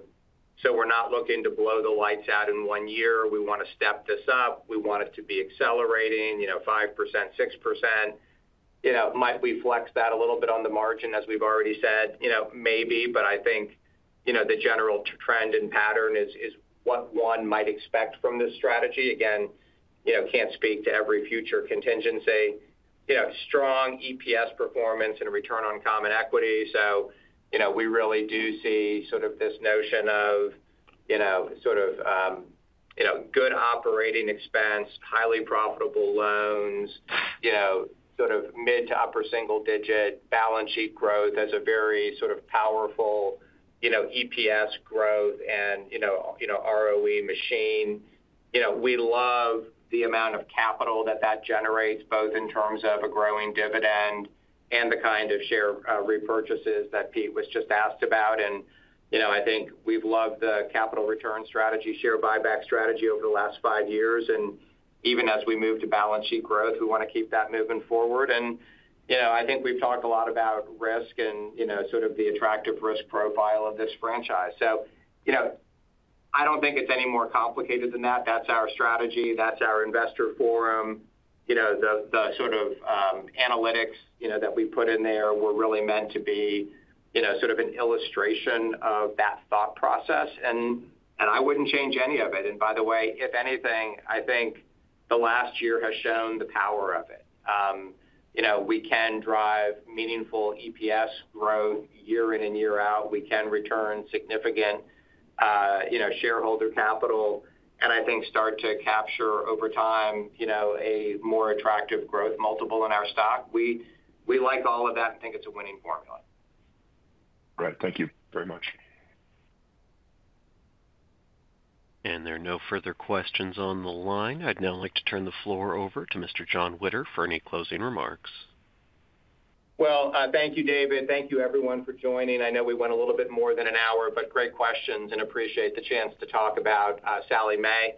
So we're not looking to blow the lights out in one year. We want to step this up. We want it to be accelerating, 5%, 6%. Might we flex that a little bit on the margin, as we've already said? Maybe. But I think the general trend and pattern is what one might expect from this strategy. Again, I can't speak to every future contingency. Strong EPS performance and return on common equity. So we really do see sort of this notion of sort of good operating expense, highly profitable loans, sort of mid- to upper-single-digit balance sheet growth as a very sort of powerful EPS growth and ROE machine. We love the amount of capital that that generates, both in terms of a growing dividend and the kind of share repurchases that Pete was just asked about. And I think we've loved the capital return strategy, share buyback strategy over the last five years. And even as we move to balance sheet growth, we want to keep that moving forward. And I think we've talked a lot about risk and sort of the attractive risk profile of this franchise. So I don't think it's any more complicated than that. That's our strategy. That's our investor forum. The sort of analytics that we put in there were really meant to be sort of an illustration of that thought process. And I wouldn't change any of it. And by the way, if anything, I think the last year has shown the power of it. We can drive meaningful EPS growth year in and year out. We can return significant shareholder capital, and I think start to capture over time a more attractive growth multiple in our stock. We like all of that and think it's a winning formula. All right. Thank you very much. There are no further questions on the line. I'd now like to turn the floor over to Mr. Jon Witter for any closing remarks. Thank you, David. Thank you, everyone, for joining. I know we went a little bit more than an hour, but great questions and appreciate the chance to talk about Sallie Mae.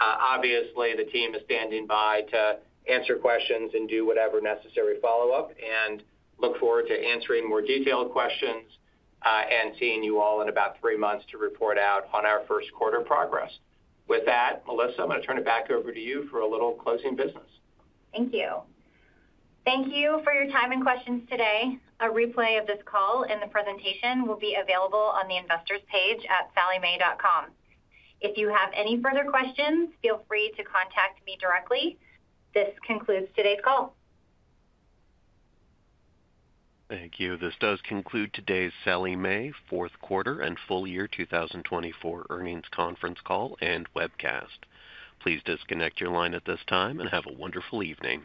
Obviously, the team is standing by to answer questions and do whatever necessary follow-up and look forward to answering more detailed questions and seeing you all in about three months to report out on our first quarter progress. With that, Melissa, I'm going to turn it back over to you for a little closing business. Thank you. Thank you for your time and questions today. A replay of this call and the presentation will be available on the investors page at salliemae.com. If you have any further questions, feel free to contact me directly. This concludes today's call. Thank you. This does conclude today's Sallie Mae Fourth Quarter and Full Year 2024 Earnings Conference Call and Webcast. Please disconnect your line at this time and have a wonderful evening.